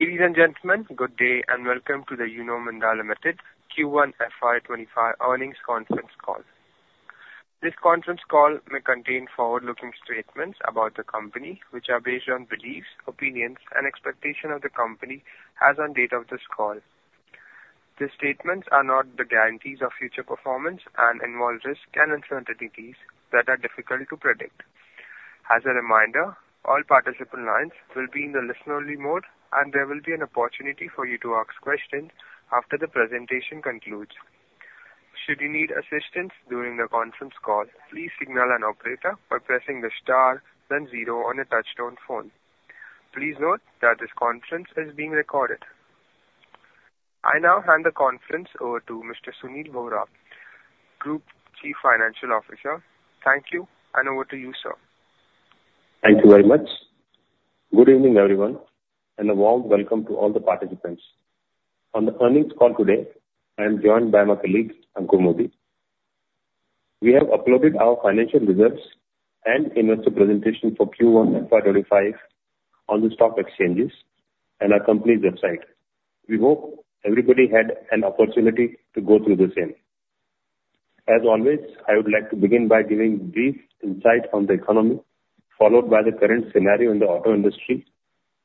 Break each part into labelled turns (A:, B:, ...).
A: Ladies and gentlemen, good day and welcome to the Uno Minda Limited Q1 FY25 earnings conference call. This conference call may contain forward-looking statements about the company, which are based on beliefs, opinions, and expectations of the company as of the date of this call. These statements are not the guarantees of future performance and involve risks and uncertainties that are difficult to predict. As a reminder, all participant lines will be in the listen-only mode, and there will be an opportunity for you to ask questions after the presentation concludes. Should you need assistance during the conference call, please signal an operator by pressing the star then zero on a touch-tone phone. Please note that this conference is being recorded. I now hand the conference over to Mr. Sunil Vohra, Group Chief Financial Officer. Thank you, and over to you, sir.
B: Thank you very much. Good evening, everyone, and a warm welcome to all the participants. On the earnings call today, I am joined by my colleague, Ankur Modi. We have uploaded our financial results and investor presentation for Q1 FY25 on the stock exchanges and our company's website. We hope everybody had an opportunity to go through the same. As always, I would like to begin by giving brief insight on the economy, followed by the current scenario in the auto industry,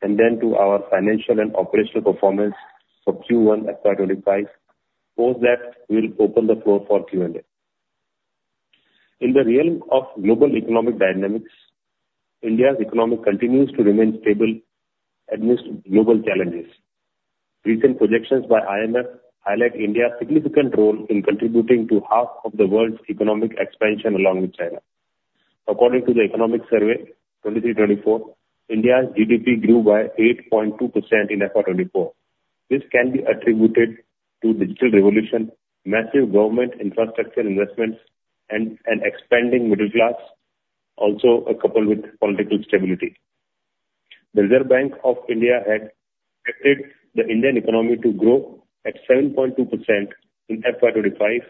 B: and then to our financial and operational performance for Q1 FY25. Post that, we'll open the floor for Q&A. In the realm of global economic dynamics, India's economy continues to remain stable amidst global challenges. Recent projections by IMF highlight India's significant role in contributing to half of the world's economic expansion along with China. According to the Economic Survey 2024, India's GDP grew by 8.2% in FY24. This can be attributed to the digital revolution, massive government infrastructure investments, and an expanding middle class, also coupled with political stability. The Reserve Bank of India had predicted the Indian economy to grow at 7.2% in FY25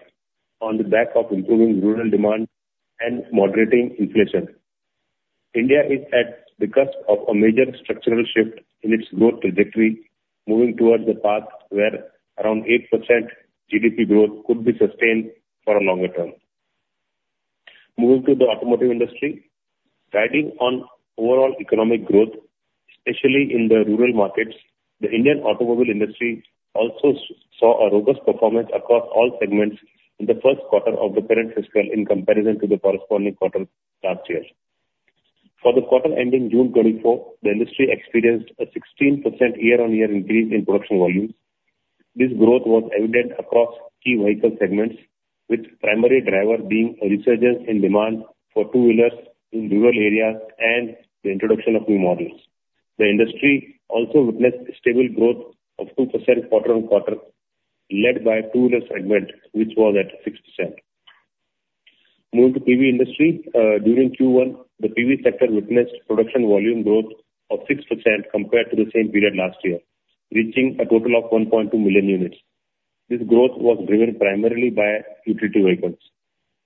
B: on the back of improving rural demand and moderating inflation. India is at the cusp of a major structural shift in its growth trajectory, moving towards a path where around 8% GDP growth could be sustained for a longer term. Moving to the automotive industry, riding on overall economic growth, especially in the rural markets, the Indian automobile industry also saw a robust performance across all segments in the first quarter of the current fiscal year in comparison to the corresponding quarter last year. For the quarter ending June 2024, the industry experienced a 16% year-on-year increase in production volumes. This growth was evident across key vehicle segments, with the primary driver being a resurgence in demand for two-wheelers in rural areas and the introduction of new models. The industry also witnessed a stable growth of 2% quarter-on-quarter, led by the two-wheeler segment, which was at 6%. Moving to the PV industry, during Q1, the PV sector witnessed a production volume growth of 6% compared to the same period last year, reaching a total of 1.2 million units. This growth was driven primarily by utility vehicles.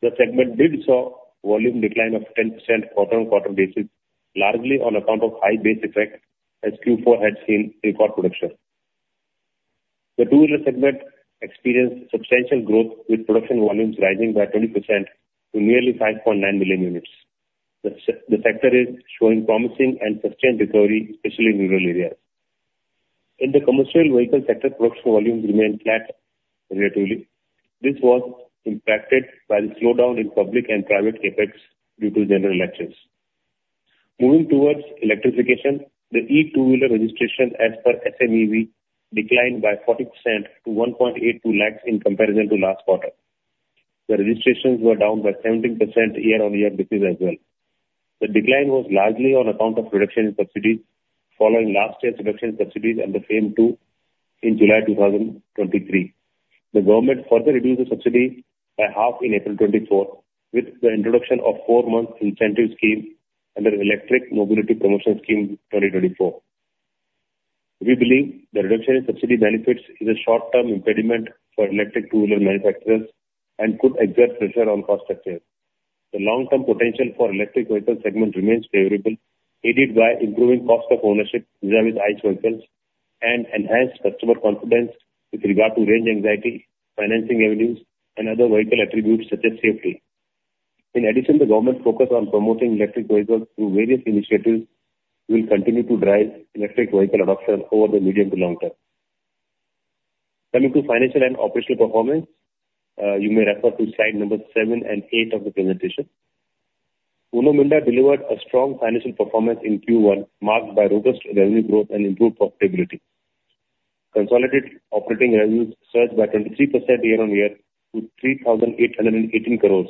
B: The segment did see a volume decline of 10% quarter-on-quarter basis, largely on account of high base effect, as Q4 had seen record production. The two-wheeler segment experienced substantial growth, with production volumes rising by 20% to nearly 5.9 million units. The sector is showing promising and sustained recovery, especially in rural areas. In the commercial vehicle sector, production volumes remained flat relatively. This was impacted by the slowdown in public and private CapEx due to general elections. Moving towards electrification, the e-two-wheeler registration as per SMEV declined by 40% to 182,000 in comparison to last quarter. The registrations were down by 17% year-on-year basis as well. The decline was largely on account of reduction in subsidies following last year's reduction in subsidies and the same too in July 2023. The government further reduced the subsidy by half in April 2024, with the introduction of a four-month incentive scheme under the Electric Mobility Promotion Scheme 2024. We believe the reduction in subsidy benefits is a short-term impediment for electric two-wheeler manufacturers and could exert pressure on cost structures. The long-term potential for the electric vehicle segment remains favorable, aided by improving cost of ownership vis-à-vis ICE vehicles and enhanced customer confidence with regard to range anxiety, financing avenues, and other vehicle attributes such as safety. In addition, the government's focus on promoting electric vehicles through various initiatives will continue to drive electric vehicle adoption over the medium to long term. Coming to financial and operational performance, you may refer to slide numbers seven and eight of the presentation. Uno Minda delivered a strong financial performance in Q1, marked by robust revenue growth and improved profitability. Consolidated operating revenues surged by 23% year-on-year to 3,818 crores,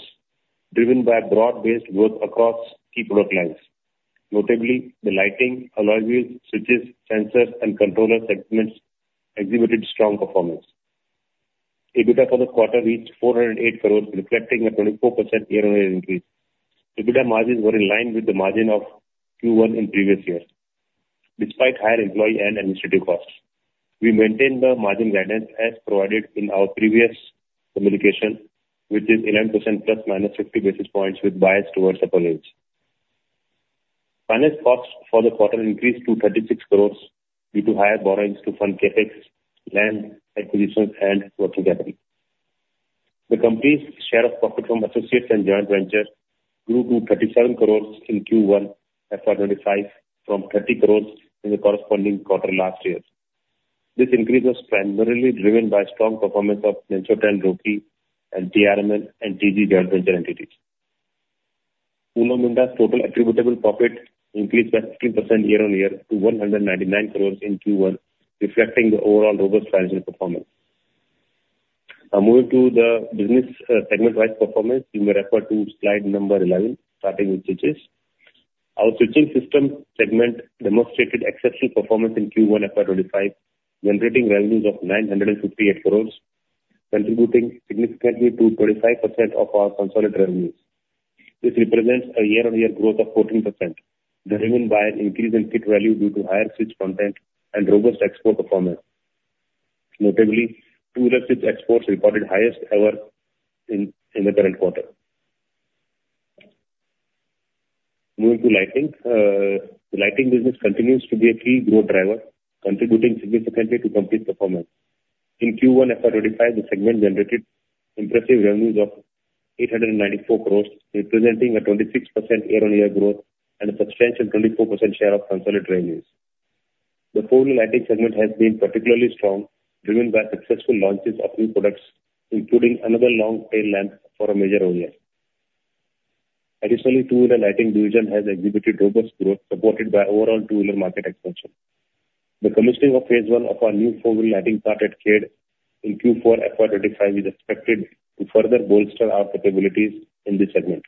B: driven by broad-based growth across key product lines. Notably, the lighting, alloy wheels, switches, sensors, and controllers segments exhibited strong performance. EBITDA for the quarter reached 408 crores, reflecting a 24% year-on-year increase. EBITDA margins were in line with the margin of Q1 in previous years, despite higher employee and administrative costs. We maintained the margin guidance as provided in our previous communication, which is 11% ± 50 basis points with bias towards upper range. Finance costs for the quarter increased to 36 crore due to higher borrowings to fund Capex, land acquisitions, and working capital. The company's share of profit from associates and joint ventures grew to 37 crore in Q1 FY25 from 30 crore in the corresponding quarter last year. This increase was primarily driven by strong performance of Denso Ten, Roki, TRMN, and TG joint venture entities. Uno Minda's total attributable profit increased by 15% year-on-year to 199 crore in Q1, reflecting the overall robust financial performance. Now, moving to the business segment-wise performance, you may refer to slide number 11, starting with switches. Our switching system segment demonstrated exceptional performance in Q1 FY25, generating revenues of 958 crores, contributing significantly to 25% of our consolidated revenues. This represents a year-on-year growth of 14%, driven by an increase in kit value due to higher switch content and robust export performance. Notably, two-wheeler switch exports recorded highest ever in the current quarter. Moving to lighting, the lighting business continues to be a key growth driver, contributing significantly to company performance. In Q1 FY25, the segment generated impressive revenues of 894 crores, representing a 26% year-on-year growth and a substantial 24% share of consolidated revenues. The four-wheel lighting segment has been particularly strong, driven by successful launches of new products, including another long tail lamp for a major OEM. Additionally, the two-wheeler lighting division has exhibited robust growth, supported by overall two-wheeler market expansion. The commissioning of phase one of our new four-wheeler lighting plant at Kadi in Q4 FY 2025 is expected to further bolster our capabilities in this segment.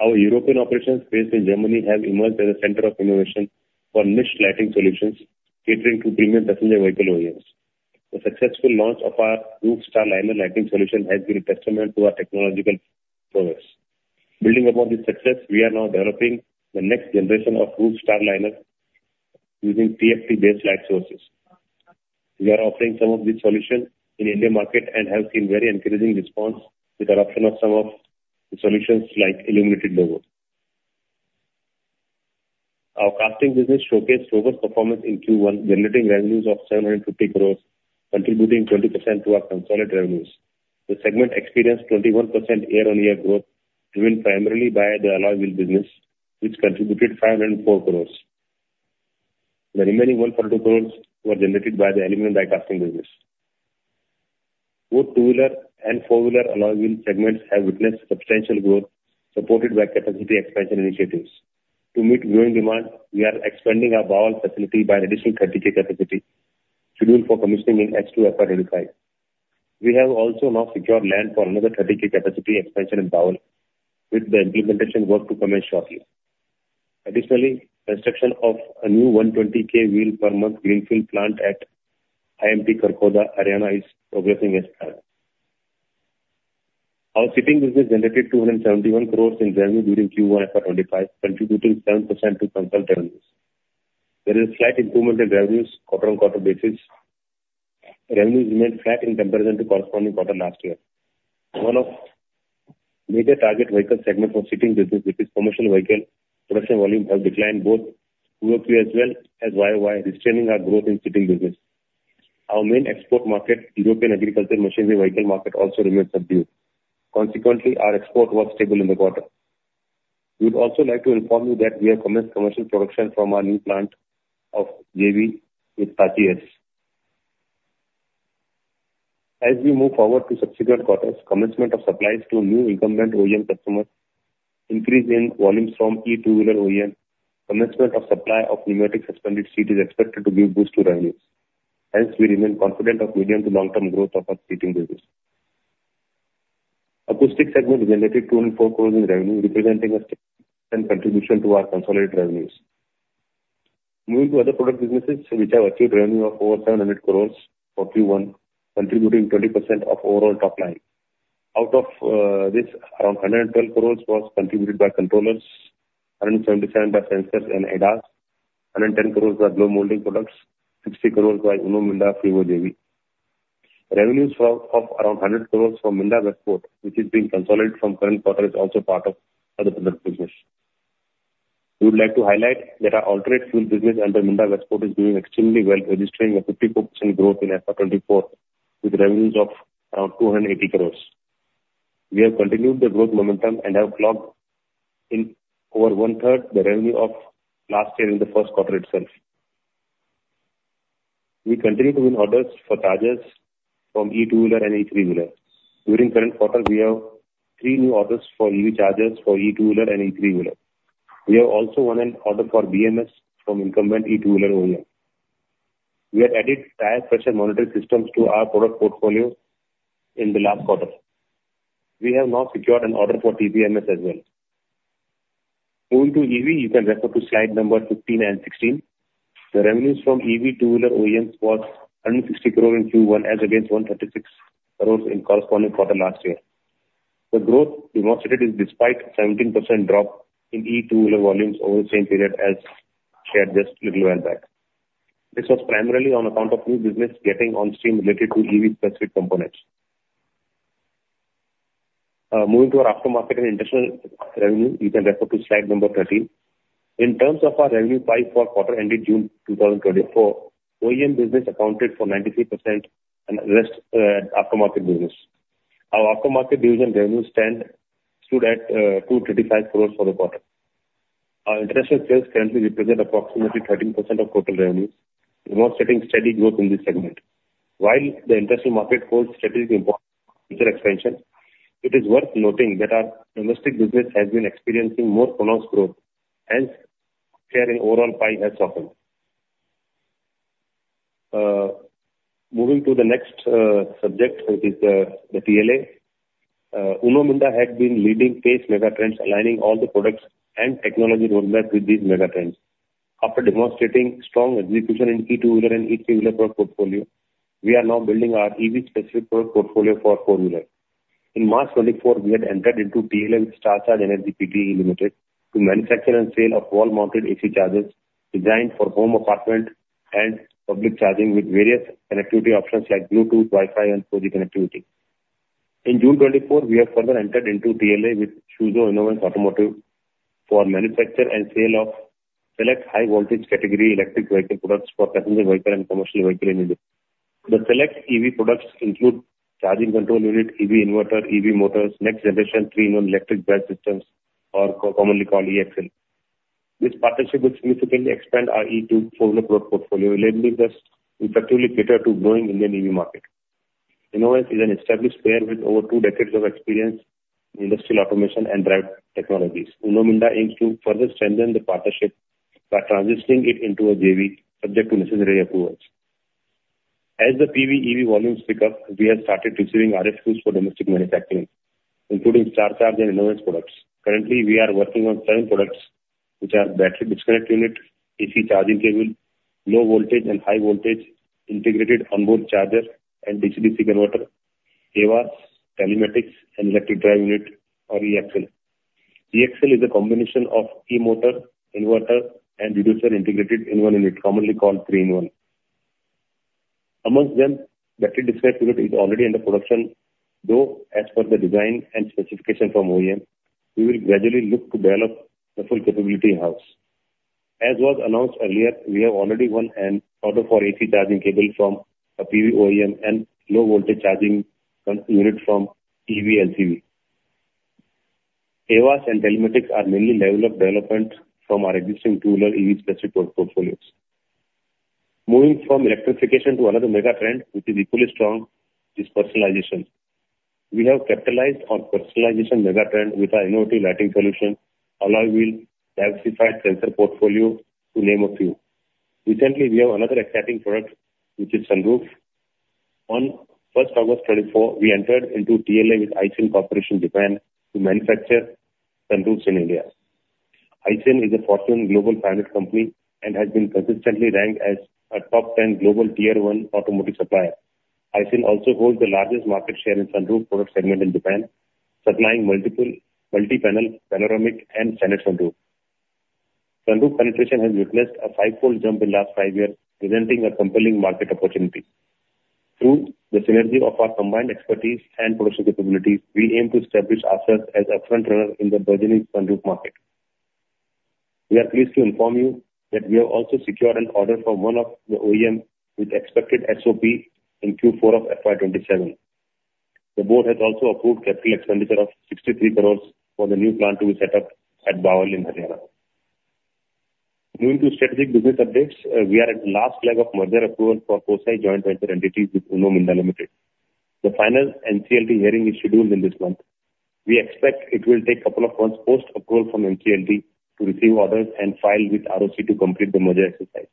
B: Our European operations based in Germany have emerged as a center of innovation for niche lighting solutions, catering to premium passenger vehicle OEMs. The successful launch of our Roof Star Liner lighting solution has been a testament to our technological progress. Building upon this success, we are now developing the next generation of Roof Star Liner using TFT-based light sources. We are offering some of these solutions in the Indian market and have seen very encouraging response with the adoption of some of the solutions like illuminated logos. Our casting business showcased robust performance in Q1, generating revenues of 750 crore, contributing 20% to our consolidated revenues. The segment experienced 21% year-on-year growth, driven primarily by the alloy wheel business, which contributed 504 crore. The remaining 142 crore were generated by the aluminum die-casting business. Both two-wheeler and four-wheeler alloy wheel segments have witnessed substantial growth, supported by capacity expansion initiatives. To meet growing demand, we are expanding our Bawal facility by an additional 30,000 capacity, scheduled for commissioning in Q2 or Q4 FY25. We have also now secured land for another 30,000 capacity expansion in Bawal, with the implementation work to commence shortly. Additionally, construction of a new 120,000 wheel-per-month greenfield plant at IMT Kharkhoda, Haryana, is progressing as planned. Our seating business generated 271 crore in revenue during Q1 FY25, contributing 7% to consolidated revenues. There is a slight improvement in revenues on a quarter-on-quarter basis. Revenues remained flat in comparison to the corresponding quarter last year. One of the major target vehicle segments for the seating business, which is the commercial vehicle production volume, has declined both Q2 as well as YOY, restraining our growth in the seating business. Our main export market, the European agriculture machinery vehicle market, also remained subdued. Consequently, our export was stable in the quarter. We would also like to inform you that we have commenced commercial production from our new plant of JV with Tachi-S. As we move forward to subsequent quarters, commencement of supplies to new incumbent OEM customers, increase in volumes from e-two-wheeler OEM, commencement of supply of pneumatic suspended seats is expected to give boost to revenues. Hence, we remain confident of medium to long-term growth of our seating business. The acoustics segment generated 204 crore in revenue, representing a significant contribution to our consolidated revenues. Moving to other product businesses, which have achieved revenue of over 700 crores for Q1, contributing 20% of overall top line. Out of this, around 112 crores was contributed by controllers, 177 by sensors and ADAS, 110 crores by blow molding products, and 60 crores by Uno Minda FRIWO JV. Revenues of around 100 crores from Minda Westport, which is being consolidated from the current quarter, are also part of the other product business. We would like to highlight that our alternate fuel business under Minda Westport is doing extremely well, registering a 54% growth in FY 2024, with revenues of around 280 crores. We have continued the growth momentum and have clocked in over one-third the revenue of last year in the first quarter itself. We continue to win orders for chargers from e-two-wheeler and e-tri-wheeler. During the current quarter, we have 3 new orders for EV chargers for e-two-wheeler and e-tri-wheeler. We have also won an order for BMS from incumbent e-two-wheeler OEM. We have added tire pressure monitoring systems to our product portfolio in the last quarter. We have now secured an order for TPMS as well. Moving to EV, you can refer to slide numbers 15 and 16. The revenues from EV two-wheeler OEMs were 160 crore in Q1, as against 136 crore in the corresponding quarter last year. The growth demonstrated is despite a 17% drop in e-two-wheeler volumes over the same period as shared just a little while back. This was primarily on account of new business getting on stream related to EV-specific components. Moving to our aftermarket and international revenue, you can refer to slide number 13. In terms of our revenue pie for the quarter ending June 2024, OEM business accounted for 93% and the rest aftermarket business. Our aftermarket division revenue stood at 235 crores for the quarter. Our international sales currently represent approximately 13% of total revenues, demonstrating steady growth in this segment. While the international market holds strategic importance for future expansion, it is worth noting that our domestic business has been experiencing more pronounced growth. Hence, share in overall pie has softened. Moving to the next subject, which is the TLA, Uno Minda has been leading phase mega trends, aligning all the products and technology roadmaps with these mega trends. After demonstrating strong execution in e-two-wheeler and e-tri-wheeler product portfolio, we are now building our EV-specific product portfolio for four-wheelers. In March 2024, we had entered into TLA with Star Charge Energy Pte. Ltd. to manufacture and sell wall-mounted AC chargers designed for home apartment and public charging with various connectivity options like Bluetooth, Wi-Fi, and 4G connectivity. In June 2024, we have further entered into TLA with Suzhou Inovance Automotive for manufacture and sale of select high-voltage category electric vehicle products for passenger vehicle and commercial vehicle engineers. The select EV products include charging control unit, EV inverter, EV motors, next-generation three-in-1 electric drive systems, or commonly called E-Axle. This partnership will significantly expand our e-2-wheeler product portfolio, enabling us to effectively cater to the growing Indian EV market. Inovance is an established player with over two decades of experience in industrial automation and drive technologies. Uno Minda aims to further strengthen the partnership by transitioning it into a JV, subject to necessary approvals. As the PV EV volumes pick up, we have started receiving RFQs for domestic manufacturing, including Star Charge and Inovance products. Currently, we are working on seven products, which are battery disconnect unit, AC charging cable, low-voltage and high-voltage integrated onboard charger, and DC-DC converter, AVAS, telematics, and electric drive unit, or E-Axle. E-Axle is a combination of E-motor, inverter, and reducer integrated in one unit, commonly called three-in-one. Among them, the battery disconnect unit is already under production, though, as per the design and specification from OEM, we will gradually look to develop the full capability in-house. As was announced earlier, we have already won an order for AC charging cable from a PV OEM and low-voltage charging unit from EV LCV. AVAS and telematics are mainly leveled up developments from our existing two-wheeler EV-specific portfolios. Moving from electrification to another mega trend, which is equally strong, is personalization. We have capitalized on the personalization mega trend with our innovative lighting solution, alloy wheel, diversified sensor portfolio, to name a few. Recently, we have another exciting product, which is sunroof. On August 1st, 2024, we entered into TLA with Aisin Corporation, Japan, to manufacture sunroofs in India. Aisin is a Fortune Global 500 company and has been consistently ranked as a top 10 global tier-one automotive supplier. Aisin also holds the largest market share in the sunroof product segment in Japan, supplying multiple multi-panel, panoramic, and standard sunroofs. Sunroof penetration has witnessed a five-fold jump in the last five years, presenting a compelling market opportunity. Through the synergy of our combined expertise and production capabilities, we aim to establish ourselves as a front-runner in the burgeoning sunroof market. We are pleased to inform you that we have also secured an order from one of the OEMs with expected SOP in Q4 of FY27. The board has also approved a capital expenditure of 63 crore for the new plant to be set up at Bawal in Haryana. Moving to strategic business updates, we are at the last leg of merger approval for Kosei Joint Venture Entities with Uno Minda Limited. The final NCLT hearing is scheduled in this month. We expect it will take a couple of months post-approval from NCLT to receive orders and file with ROC to complete the merger exercise.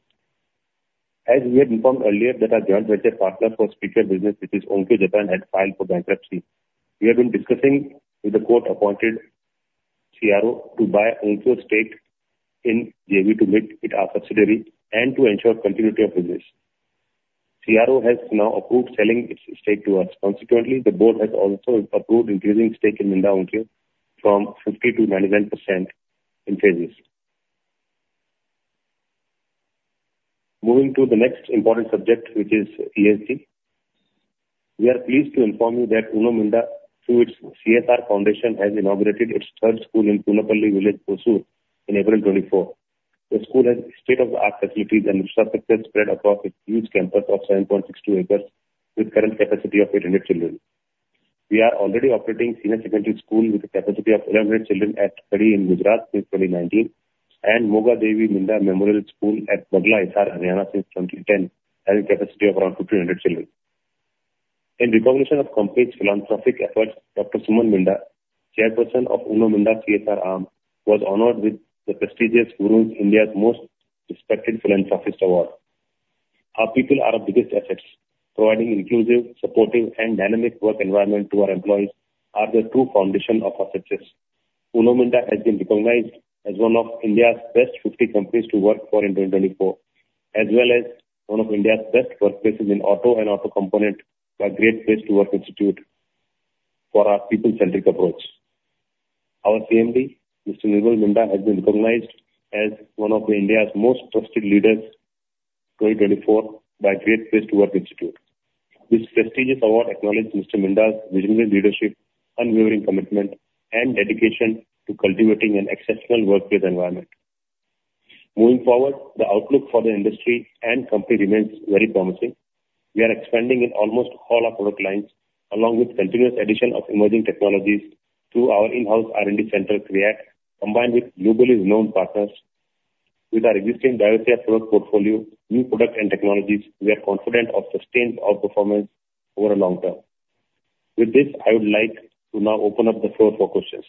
B: As we had informed earlier that our joint venture partner for speaker business, which is Onkyo Japan, had filed for bankruptcy, we have been discussing with the court-appointed CRO to buy Onkyo's stake in JV to make it our subsidiary and to ensure continuity of business. Onkyo has now approved selling its stake to us. Consequently, the board has also approved increasing stake in Minda Onkyo from 50% to 99% in phases. Moving to the next important subject, which is ESG, we are pleased to inform you that Uno Minda, through its CSR Foundation, has inaugurated its third school in Punapalli Village in April 2024. The school has state-of-the-art facilities and infrastructure spread across its huge campus of 7.62 acres, with a current capacity of 800 children. We are already operating a senior-secondary school with a capacity of 1,100 children at Kadi in Gujarat since 2019, and Moga Devi Minda Memorial School at Bagla, Hisar, Haryana since 2010, having a capacity of around 1,500 children. In recognition of the company's philanthropic efforts, Dr. Suman Minda, chairperson of Uno Minda CSR Arm, was honored with the prestigious Hurun India's Most Respected Philanthropist Award. Our people are our biggest assets. Providing an inclusive, supportive, and dynamic work environment to our employees are the true foundation of our success. Uno Minda has been recognized as one of India's best 50 companies to work for in 2024, as well as one of India's best workplaces in auto and auto component by Great Place to Work Institute for our people-centric approach. Our CMD, Mr. Nirmal Minda, has been recognized as one of India's most trusted leaders in 2024 by Great Place to Work Institute. This prestigious award acknowledges Mr. Minda's visionary leadership, unwavering commitment, and dedication to cultivating an exceptional workplace environment. Moving forward, the outlook for the industry and company remains very promising. We are expanding in almost all our product lines, along with a continuous addition of emerging technologies through our in-house R&D center, CREAT, combined with globally renowned partners. With our existing diversity of product portfolio, new products and technologies, we are confident of sustained outperformance over the long term. With this, I would like to now open up the floor for questions.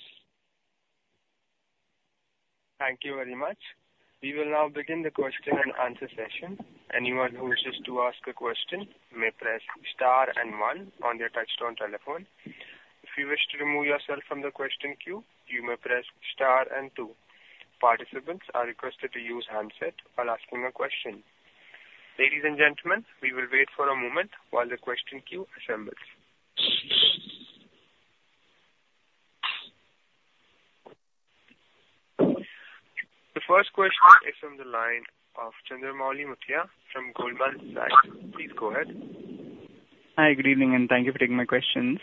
A: Thank you very much. We will now begin the question and answer session. Anyone who wishes to ask a question may press Star and 1 on their touch-tone telephone. If you wish to remove yourself from the question queue, you may press Star and 2. Participants are requested to use handset while asking a question. Ladies and gentlemen, we will wait for a moment while the question queue assembles. The first question is from the line of Chandramouli Muthiah from Goldman Sachs. Please go ahead.
C: Hi, good evening, and thank you for taking my questions.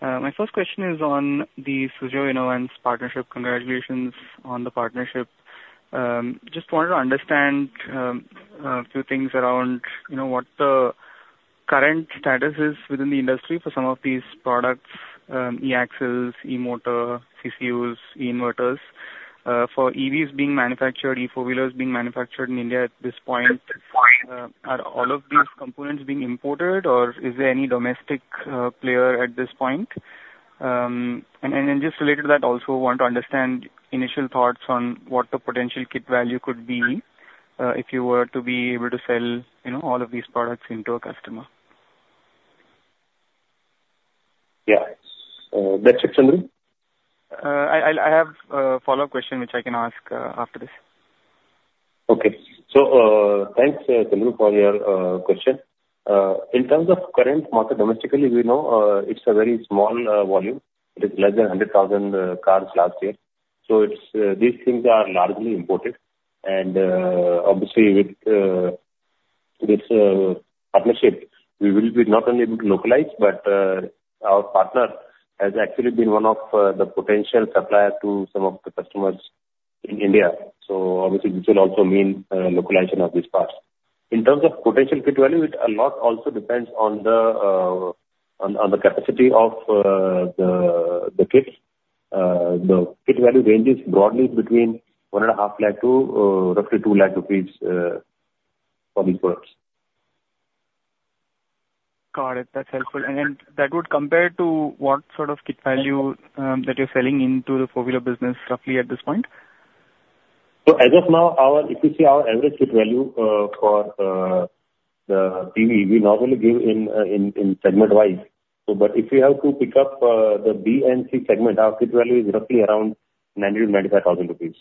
C: My first question is on the Suzhou Inovance partnership. Congratulations on the partnership. Just wanted to understand a few things around what the current status is within the industry for some of these products: E-axles, E-motor, CCUs, E-inverters. For EVs being manufactured, E-four-wheelers being manufactured in India at this point, are all of these components being imported, or is there any domestic player at this point? And then just related to that, I also want to understand initial thoughts on what the potential kit value could be if you were to be able to sell all of these products into a customer.
B: Yeah. That's it, Chandru?
C: I have a follow-up question, which I can ask after this.
B: Okay. So thanks, Chandru, for your question. In terms of current market domestically, we know it's a very small volume. It is less than 100,000 cars last year. So these things are largely imported. Obviously, with this partnership, we will be not only able to localize, but our partner has actually been one of the potential suppliers to some of the customers in India. So obviously, this will also mean localization of these parts. In terms of potential kit value, it a lot also depends on the capacity of the kits. The kit value ranges broadly between 1.5 lakh to roughly 2 lakh rupees for these products.
C: Got it. That's helpful. And then that would compare to what sort of kit value that you're selling into the four-wheeler business roughly at this point?
B: So as of now, if you see our average kit value for the PV, we normally give in segment-wise. But if you have to pick up the B and C segment, our kit value is roughly around 90,000-95,000 rupees,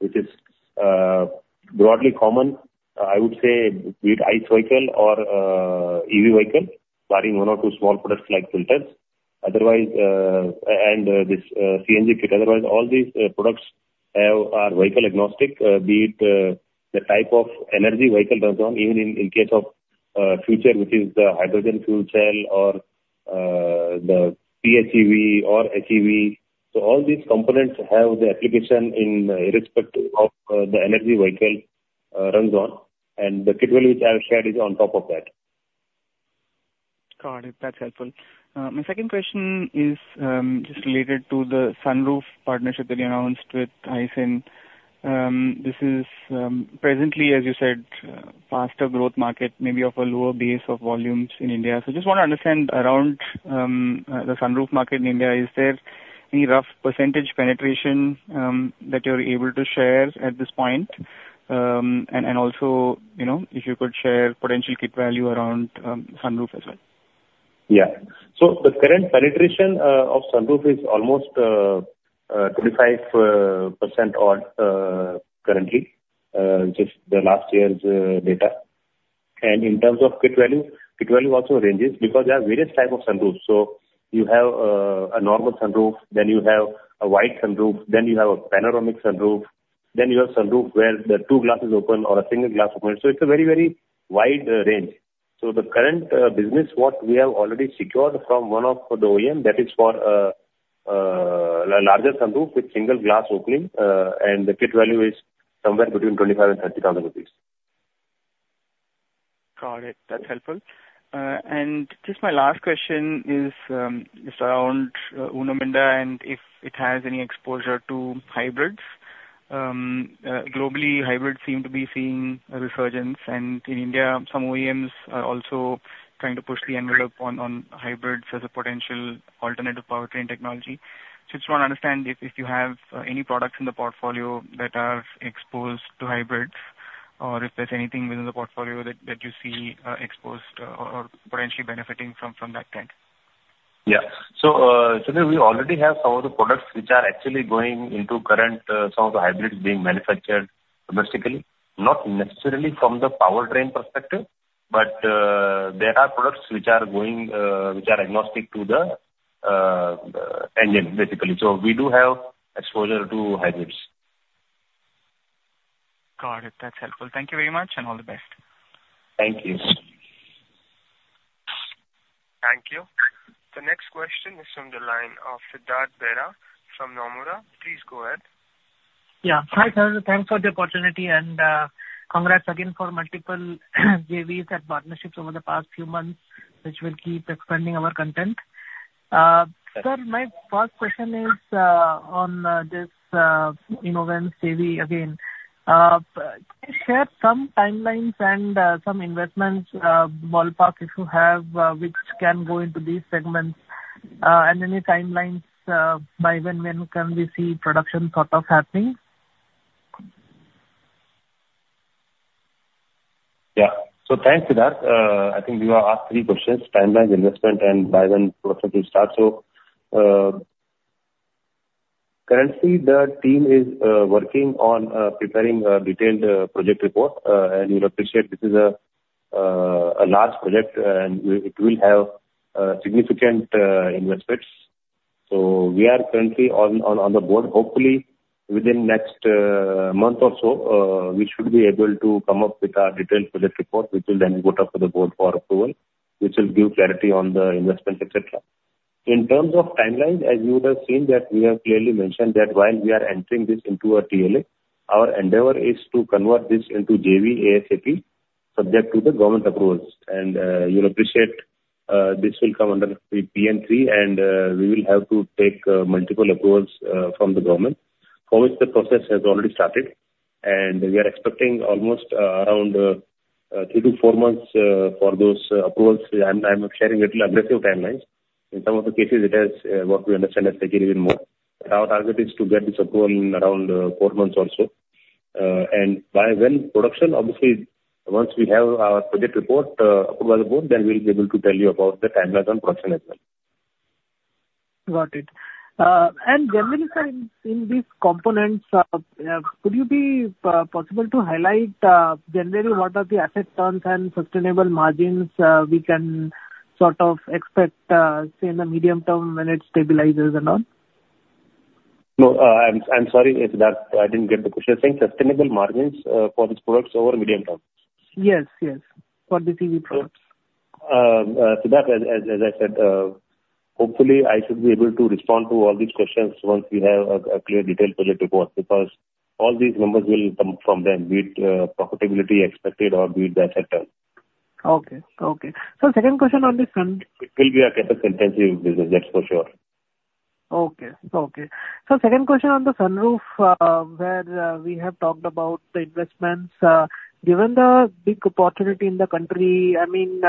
B: which is broadly common. I would say be it ICE vehicle or EV vehicle carrying one or two small products like filters. Otherwise, and this CNG kit, otherwise, all these products are vehicle-agnostic, be it the type of energy vehicle runs on, even in case of future, which is the hydrogen fuel cell or the PHEV or SEV. So all these components have the application in irrespective of the energy vehicle runs on. And the kit value which I have shared is on top of that.
C: Got it. That's helpful. My second question is just related to the sunroof partnership that you announced with Aisin. This is presently, as you said, past a growth market, maybe of a lower base of volumes in India. So just want to understand around the sunroof market in India, is there any rough percentage penetration that you're able to share at this point? And also, if you could share potential kit value around sunroof as well.
B: Yeah. So the current penetration of sunroof is almost 25% odd currently, just the last year's data. And in terms of kit value, kit value also ranges because there are various types of sunroofs. So you have a normal sunroof, then you have a wide sunroof, then you have a panoramic sunroof, then you have sunroof where the two glasses open or a single glass opens. So it's a very, very wide range. So the current business, what we have already secured from one of the OEM, that is for a larger sunroof with single glass opening, and the kit value is somewhere between 25,000-30,000 rupees.
C: Got it. That's helpful. And just my last question is just around Uno Minda and if it has any exposure to hybrids. Globally, hybrids seem to be seeing a resurgence. And in India, some OEMs are also trying to push the envelope on hybrids as a potential alternative powertrain technology. Just want to understand if you have any products in the portfolio that are exposed to hybrids, or if there's anything within the portfolio that you see exposed or potentially benefiting from that trend.
B: Yeah. So Chandru, we already have some of the products which are actually going into current, some of the hybrids being manufactured domestically, not necessarily from the powertrain perspective, but there are products which are agnostic to the engine, basically. So we do have exposure to hybrids.
C: Got it. That's helpful. Thank you very much and all the best. Thank you. Thank you.
A: The next question is from the line of Siddharth Bera from Nomura. Please go ahead. Yeah. Hi, Chandru.
D: Thanks for the opportunity and congrats again for multiple JVs and partnerships over the past few months, which will keep expanding our content. Sir, my first question is on this Inovance JV again. Share some timelines and some investments, ballpark if you have, which can go into these segments. And any timelines by when can we see production sort of happening?
B: Yeah. So thanks for that. I think we will ask three questions: timelines, investment, and by when project will start. So currently, the team is working on preparing a detailed project report, and we'd appreciate this is a large project, and it will have significant investments. So we are currently on the board. Hopefully, within the next month or so, we should be able to come up with our detailed project report, which will then go up to the board for approval, which will give clarity on the investments, etc. In terms of timelines, as you would have seen, that we have clearly mentioned that while we are entering this into a TLA, our endeavor is to convert this into JV ASAP subject to the government approvals. And you'll appreciate this will come under PN3, and we will have to take multiple approvals from the government, for which the process has already started. And we are expecting almost around 3-4 months for those approvals. I'm sharing a little aggressive timelines. In some of the cases, it has what we understand as taking even more. Our target is to get this approval in around 4 months or so. And by when production, obviously, once we have our project report approved by the board, then we'll be able to tell you about the timelines on production as well.
D: Got it. And generally, sir, in these components, would it be possible to highlight generally what are the asset terms and sustainable margins we can sort of expect, say, in the medium term when it stabilizes and all?
B: No, I'm sorry if I didn't get the question. Saying sustainable margins for these products over medium term? Yes, yes. For these EV products. So that, as I said, hopefully, I should be able to respond to all these questions once we have a clear detailed project report because all these numbers will come from them, be it profitability expected or be it the asset terms.
D: Okay. Okay. So second question on this one.
B: It will be a kind of intensive business, that's for sure.
D: Okay. Okay. So second question on the sunroof, where we have talked about the investments, given the big opportunity in the country, I mean,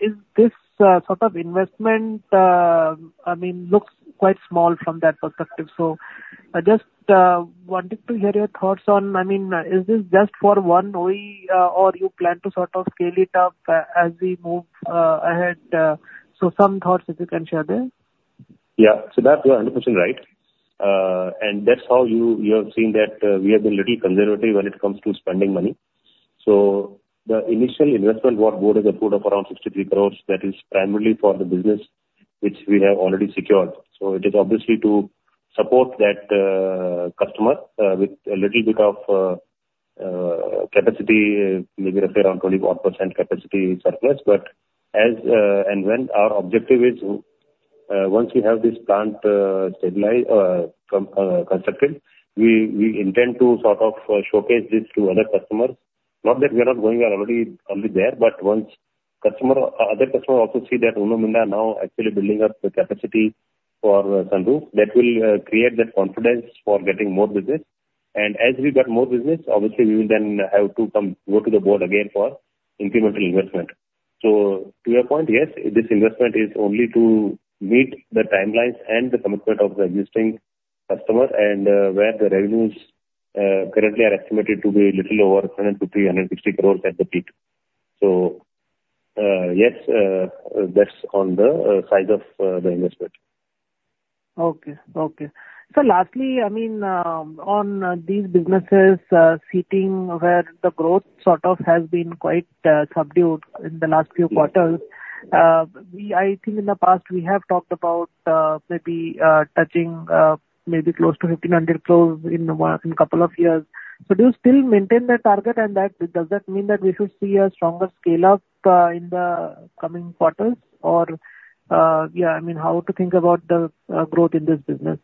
D: is this sort of investment, I mean, looks quite small from that perspective. So I just wanted to hear your thoughts on, I mean, is this just for one OE, or you plan to sort of scale it up as we move ahead? So some thoughts, if you can share there.
B: Yeah. So that's 100% right. And that's how you have seen that we have been a little conservative when it comes to spending money. So the initial investment board is a board of around 63 crore that is primarily for the business which we have already secured. So it is obviously to support that customer with a little bit of capacity, maybe let's say around 21% capacity surplus. But as and when our objective is, once we have this plant constructed, we intend to sort of showcase this to other customers. Not that we are not going already there, but once other customers also see that Uno Minda now actually building up the capacity for sunroof, that will create that confidence for getting more business. And as we get more business, obviously, we will then have to go to the board again for incremental investment. So to your point, yes, this investment is only to meet the timelines and the commitment of the existing customer, and where the revenues currently are estimated to be a little over 100-360 crores at the peak. So yes, that's on the size of the investment.
D: Okay. Okay. So lastly, I mean, on these businesses seating where the growth sort of has been quite subdued in the last few quarters, I think in the past we have talked about maybe touching maybe close to 1,500 crores in a couple of years. So do you still maintain that target, and does that mean that we should see a stronger scale-up in the coming quarters, or yeah, I mean, how to think about the growth in this business?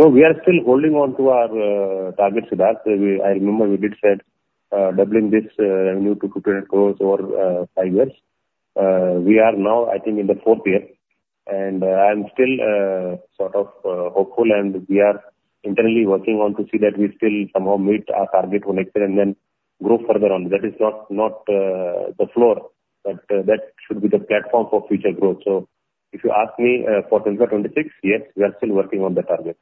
B: So we are still holding on to our target, Siddharth. I remember we did said doubling this revenue to 200 crores over five years. We are now, I think, in the fourth year, and I'm still sort of hopeful, and we are internally working on to see that we still somehow meet our target one year and then grow further on. That is not the floor, but that should be the platform for future growth. So if you ask me for 2026, yes, we are still working on the target.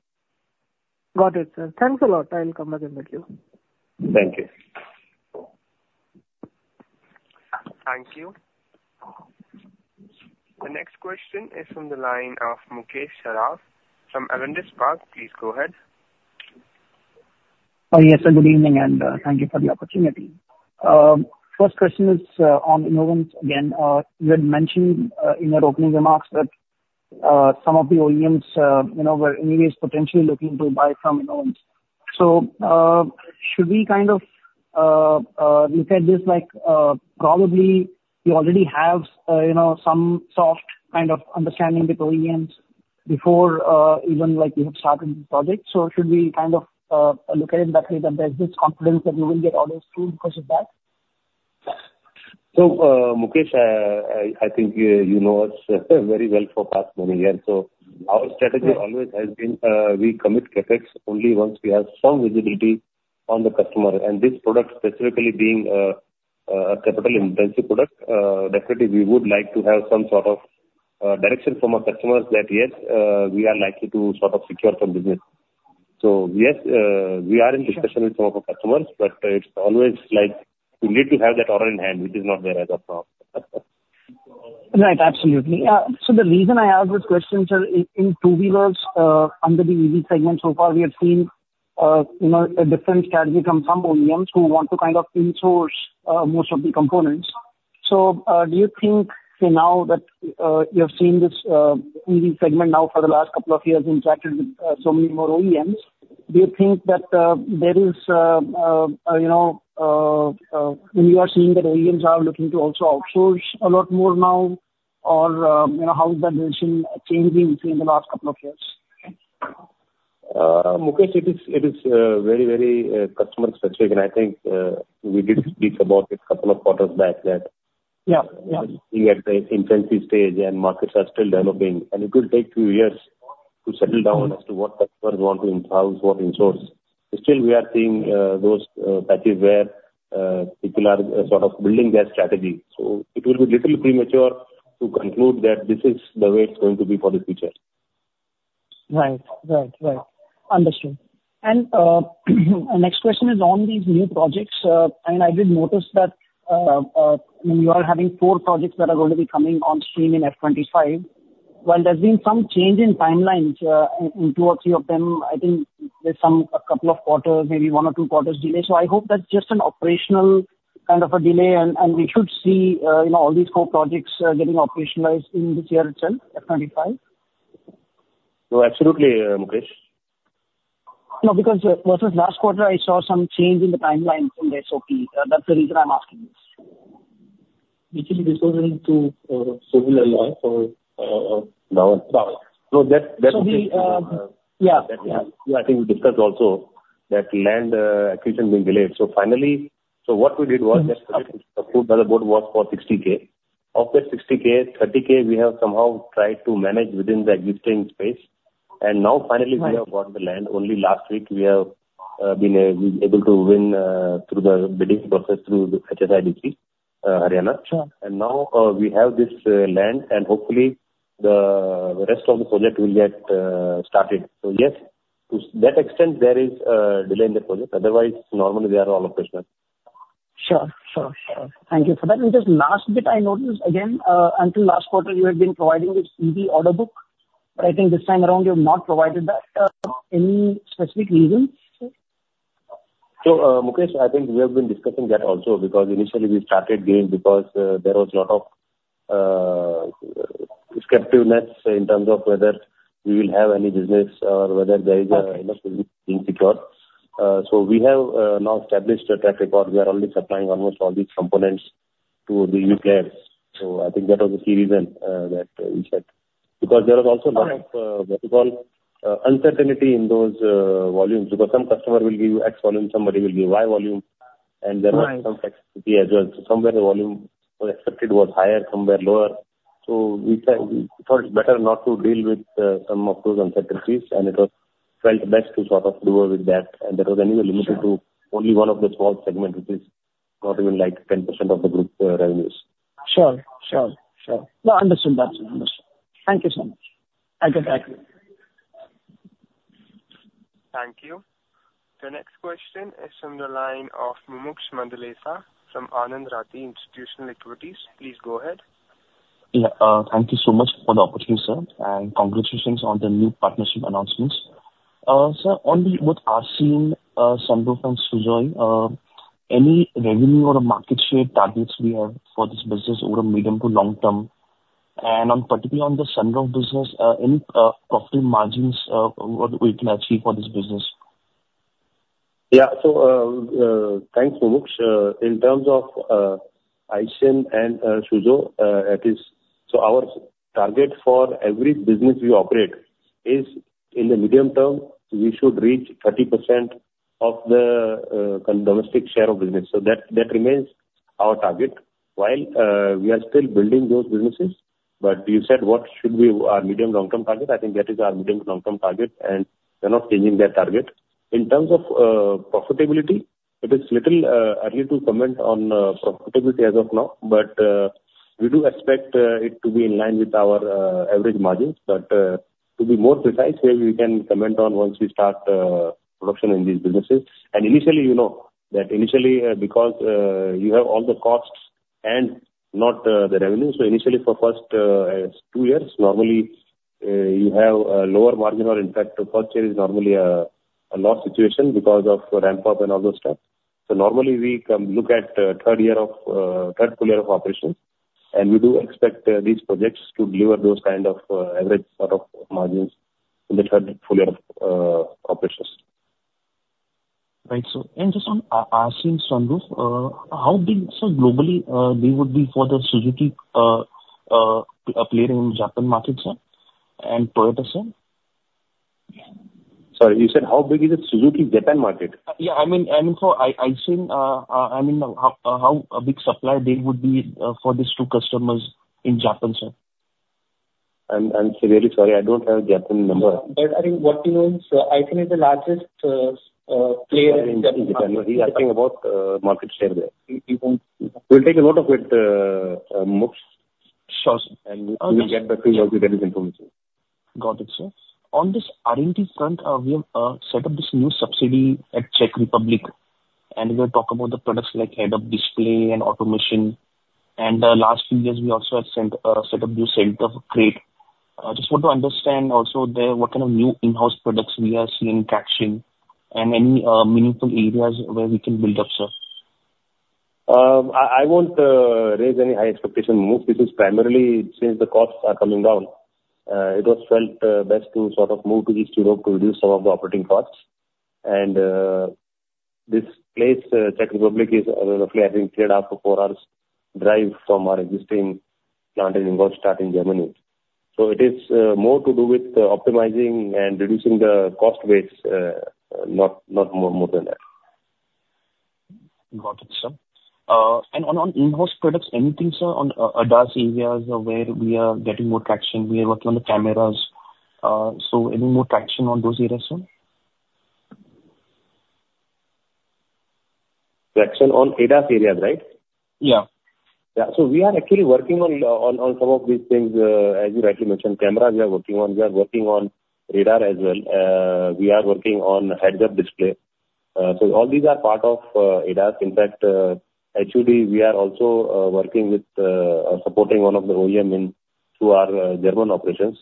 D: Got it, sir. Thanks a lot. I'll come back and meet you. Thank you.
A: Thank you. The next question is from the line of Mukesh Saraf from Avendus Spark. Please go ahead.
E: Yes, sir. Good evening, and thank you for the opportunity. First question is on Inovance again. You had mentioned in your opening remarks that some of the OEMs were anyways potentially looking to buy from Inovance. So should we kind of look at this like probably you already have some soft kind of understanding with OEMs before even we have started this project? So should we kind of look at it that way that there's this confidence that we will get orders through because of that?
B: So Mukesh, I think you know us very well for past many years. So our strategy always has been we commit capex only once we have some visibility on the customer. And this product specifically being a capital-intensive product, definitely we would like to have some sort of direction from our customers that, yes, we are likely to sort of secure some business. So yes, we are in discussion with some of our customers, but it's always like we need to have that order in hand, which is not there as of now.
E: Right. Absolutely. Yeah. So the reason I ask this question, sir, in two-wheelers under the EV segment, so far we have seen a different strategy from some OEMs who want to kind of insource most of the components. So do you think, say, now that you have seen this EV segment now for the last couple of years interacted with so many more OEMs, do you think that there is when you are seeing that OEMs are looking to also outsource a lot more now, or how is that decision changing in the last couple of years?
B: Mukesh, it is very, very customer-specific, and I think we did speak about it a couple of quarters back that we are at the intensive stage and markets are still developing. And it will take two years to settle down as to what customers want to insource, what insource. Still, we are seeing those patches where people are sort of building their strategy. So it will be a little premature to conclude that this is the way it's going to be for the future.
E: Right. Right. Right. Understood. Next question is on these new projects. I mean, I did notice that you are having four projects that are going to be coming on stream in F25. Well, there's been some change in timelines in two or three of them. I think there's a couple of quarters, maybe one or two quarters delay. So I hope that's just an operational kind of a delay, and we should see all these four projects getting operationalized in this year itself, F25.
B: No, absolutely, Mukesh.
E: No, because versus last quarter, I saw some change in the timeline from the SOP. That's the reason I'm asking this.
B: Basically, this wasn't too suitable a line for now. So that would be yeah. Yeah. I think we discussed also that land acquisition being delayed. So finally, so what we did was just approved by the board was for 60K. Of that 60,000, 30,000 we have somehow tried to manage within the existing space. And now finally, we have got the land. Only last week, we have been able to win through the bidding process through HSIIDC, Haryana. And now we have this land, and hopefully, the rest of the project will get started. So yes, to that extent, there is a delay in the project. Otherwise, normally they are all operational.
E: Sure. Sure. Sure. Thank you for that. And just last bit, I noticed again, until last quarter, you had been providing this EV order book, but I think this time around you have not provided that. Any specific reasons?
B: So Mukesh, I think we have been discussing that also because initially, we started doing because there was a lot of skepticism in terms of whether we will have any business or whether there is a business being secured. So we have now established a track record. We are only supplying almost all these components to the OEMs. So I think that was the key reason that we said because there was also a lot of, what you call, uncertainty in those volumes because some customer will give you X volume, somebody will give Y volume, and there was some flexibility as well. So somewhere, the volume was expected was higher, somewhere lower. So we thought it's better not to deal with some of those uncertainties, and it was felt best to sort of do away with that. And that was anyway limited to only one of the small segments, which is not even like 10% of the group revenues.
E: Sure. Sure. Sure. No, understood. That's understood. Thank you so much. I can thank you.
A: Thank you. The next question is from the line of Mumuksh Mandlesha from Anand Rathi Institutional Equities. Please go ahead.
F: Thank you so much for the opportunity, sir, and congratulations on the new partnership announcements. Sir, on the what I've seen, sunroof and Suzhou, any revenue or market share targets we have for this business over medium to long term? And particularly on the sunroof business, any profitable margins we can achieve for this business?
B: Yeah. So thanks, Mumuksh. In terms of Aisin and Suzhou, so our target for every business we operate is in the medium term, we should reach 30% of the domestic share of business. So that remains our target. While we are still building those businesses, but you said what should be our medium long term target, I think that is our medium long term target, and we are not changing that target. In terms of profitability, it is a little early to comment on profitability as of now, but we do expect it to be in line with our average margins. But to be more precise, maybe we can comment on once we start production in these businesses. Initially, you know that initially because you have all the costs and not the revenue. So initially, for first 2 years, normally you have a lower marginal impact. The first year is normally a loss situation because of ramp-up and all those stuff. So normally, we look at third year of third full year of operations, and we do expect these projects to deliver those kind of average sort of margins in the third full year of operations.
F: Right. So I've seen Sunroof. How big, sir, globally they would be for the Suzuki player in Japan market, sir? And Toyota, sir?
B: Sorry, you said how big is it? Suzuki Japan market?
F: Yeah. I mean, I mean, so I've seen how big supply they would be for these two customers in Japan, sir.
B: I'm sincerely sorry. I don't have Japan number.
F: But I think what you know is Aisin is the largest player in Japan.
B: He's asking about market share there. We'll take a note of it, Mukesh.
F: Sure, sir. And we'll get back to you once we get this information. Got it, sir. On this R&D front, we have set up this new subsidiary at Czech Republic, and we have talked about the products like head-up display and automation. And last few years, we also have set up this CREAT. I just want to understand also what kind of new in-house products we are seeing catching and any meaningful areas where we can build up, sir?
B: I won't raise any high expectations. Mukesh, this is primarily since the costs are coming down; it was felt best to sort of move to Eastern Europe to reduce some of the operating costs. This place, Czech Republic, is roughly, I think, 3.5-4 hours drive from our existing plant in Ingolstadt in Germany. So it is more to do with optimizing and reducing the cost base, not more than that.
F: Got it, sir. On in-house products, anything, sir, on ADAS areas where we are getting more traction? We are working on the cameras. So any more traction on those areas, sir?
B: Traction on ADAS areas, right? Yeah. Yeah. So we are actually working on some of these things, as you rightly mentioned. Cameras, we are working on. We are working on radar as well. We are working on head-up display. So all these are part of ADAS. In fact, actually, we are also working with supporting one of the OEMs through our German operations.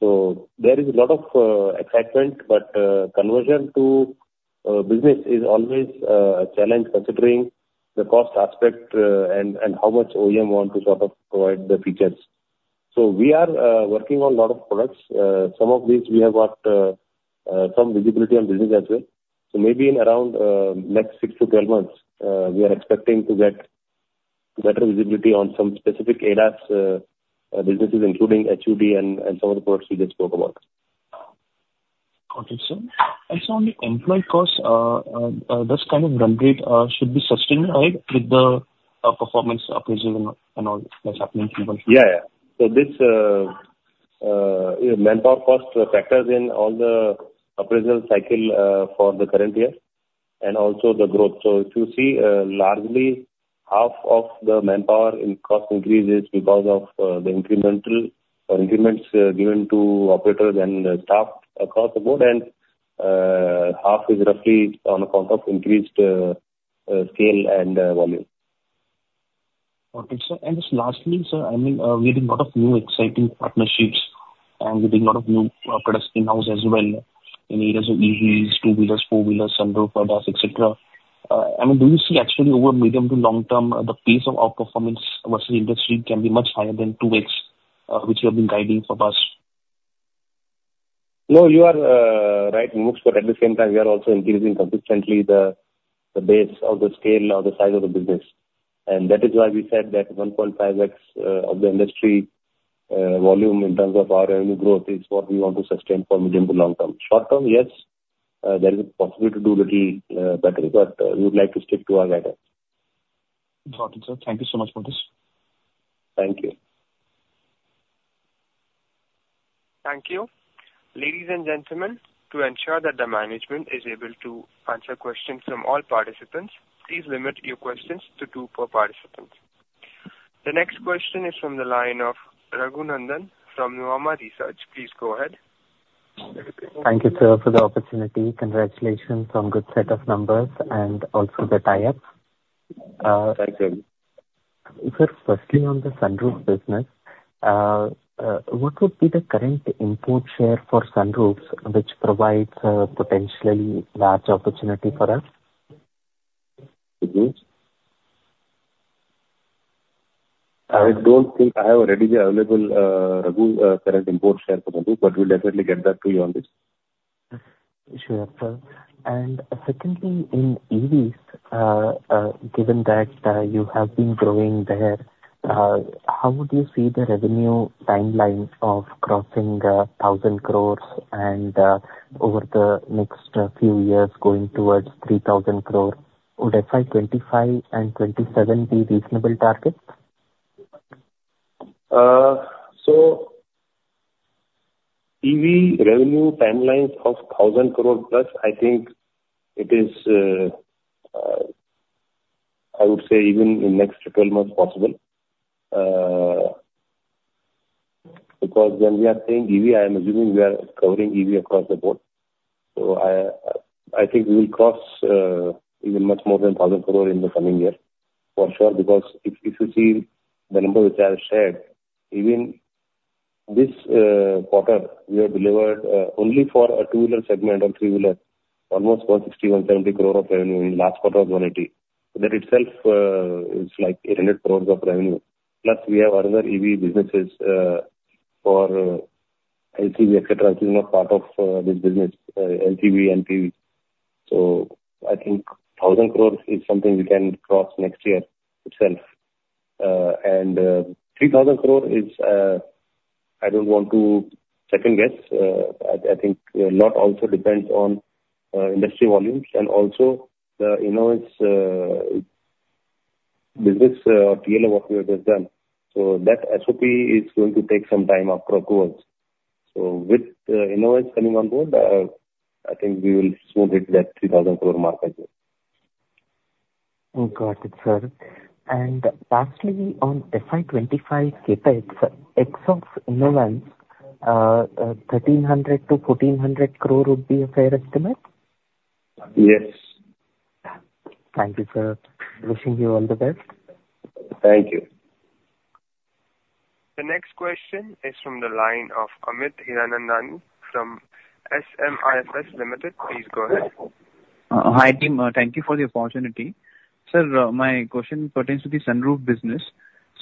B: So there is a lot of excitement, but conversion to business is always a challenge considering the cost aspect and how much OEM wants to sort of provide the features. So we are working on a lot of products. Some of these, we have got some visibility on business as well. So maybe in around next 6-12 months, we are expecting to get better visibility on some specific ADAS businesses, including HUD and some of the products we just spoke about.
F: Got it, sir. And so on the employee costs, this kind of run rate should be sustained with the performance appraisal and all that's happening in the country?
B: Yeah. Yeah. So this manpower cost factors in all the appraisal cycle for the current year and also the growth. So if you see, largely half of the manpower cost increases because of the increments given to operators and staff across the board, and half is roughly on account of increased scale and volume.
F: Okay, sir. And just lastly, sir, I mean, we are doing a lot of new exciting partnerships, and we're doing a lot of new products in-house as well in areas of EVs, two-wheelers, four-wheelers, sunroof, ADAS, etc. I mean, do you see actually over medium to long term, the pace of our performance versus industry can be much higher than 2x, which we have been guiding for the past?
B: No, you are right, Mukesh. But at the same time, we are also increasing consistently the base of the scale of the size of the business. And that is why we said that 1.5x of the industry volume in terms of our revenue growth is what we want to sustain for medium to long term. Short term, yes, there is a possibility to do a little better, but we would like to stick to our guidance.
F: Got it, sir. Thank you so much for this. Thank you.
A: Thank you. Ladies and gentlemen, to ensure that the management is able to answer questions from all participants, please limit your questions to two per participant. The next question is from the line of Raghunandan from Nuvama Institutional Equities. Please go ahead.
G: Thank you, sir, for the opportunity. Congratulations on a good set of numbers and also the tie-up. Thank you. Sir, firstly on the sunroof business, what would be the current input share for sunroofs, which provides a potentially large opportunity for us?
B: I don't think I have already the available current input share for sunroof, but we'll definitely get back to you on this.
G: Sure, sir. And secondly, in EVs, given that you have been growing there, how would you see the revenue timeline of crossing 1,000 crores and over the next few years going towards 3,000 crores? Would FY25 and 2027 be reasonable targets?
B: So EV revenue timelines of 1,000 crores plus, I think it is, I would say, even in the next 12 months possible. Because when we are saying EV, I am assuming we are covering EV across the board. So I think we will cross even much more than 1,000 crores in the coming year, for sure. Because if you see the number which I have shared, even this quarter, we have delivered only for a two-wheeler segment or three-wheeler, almost 160-170 crores of revenue in the last quarter of 2018. That itself is like 800 crores of revenue. Plus, we have other EV businesses for LTV, etc. This is not part of this business, LCV,N-category. So I think 1,000 crores is something we can cross next year itself. And 3,000 crores is, I don't want to second-guess. I think a lot also depends on industry volumes and also the in-house business or TLO work we have just done. So that SOP is going to take some time after approvals. So with the in-house coming on board, I think we will smooth it to that 3,000 crore mark as well.
G: Got it, sir. And lastly, on FY25 capex, our in-house, 1,300 crore-1,400 crore would be a fair estimate? Yes. Thank you, sir. Wishing you all the best. Thank you.
A: The next question is from the line of Amit Hiranandani from SMIFS Limited. Please go ahead. Hi team.
H: Thank you for the opportunity. Sir, my question pertains to the sunroof business.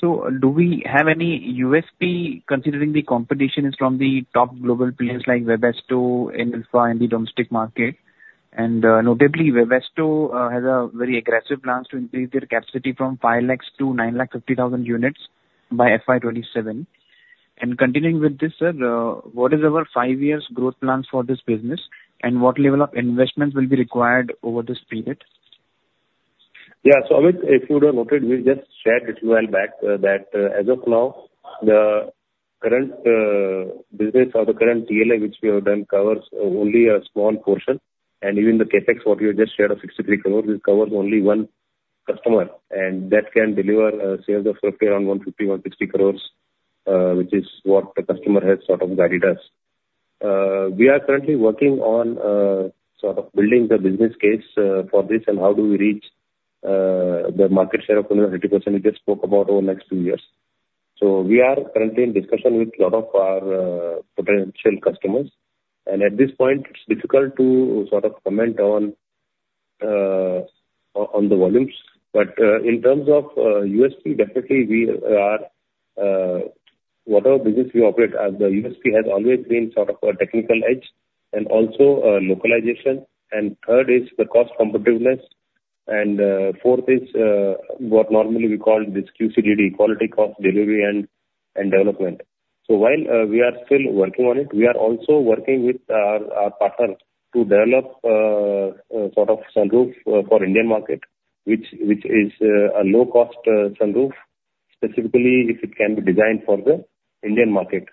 H: So do we have any USP considering the competition is from the top global players like Webasto, Inalfa in the domestic market? And notably, Webasto has a very aggressive plan to increase their capacity from 500,000 to 950,000 units by FY27. And continuing with this, sir, what is our five-year growth plan for this business, and what level of investments will be required over this period? Yeah.
B: So Amit, if you would have noted, we just shared with you a while back that as of now, the current business or the current PLI, which we have done, covers only a small portion. And even the capex, what you just shared of 63 crore, it covers only one customer. And that can deliver sales of roughly around 150-160 crore, which is what the customer has sort of guided us. We are currently working on sort of building the business case for this and how do we reach the market share of 30% we just spoke about over the next few years. So we are currently in discussion with a lot of our potential customers. And at this point, it's difficult to sort of comment on the volumes. But in terms of USP, definitely we are whatever business we operate, the USP has always been sort of a technical edge and also localization. And third is the cost competitiveness. And fourth is what normally we call this QCDD, Quality Cost Delivery and Development. So while we are still working on it, we are also working with our partner to develop sort of Sunroof for the Indian market, which is a low-cost Sunroof, specifically if it can be designed for the Indian market.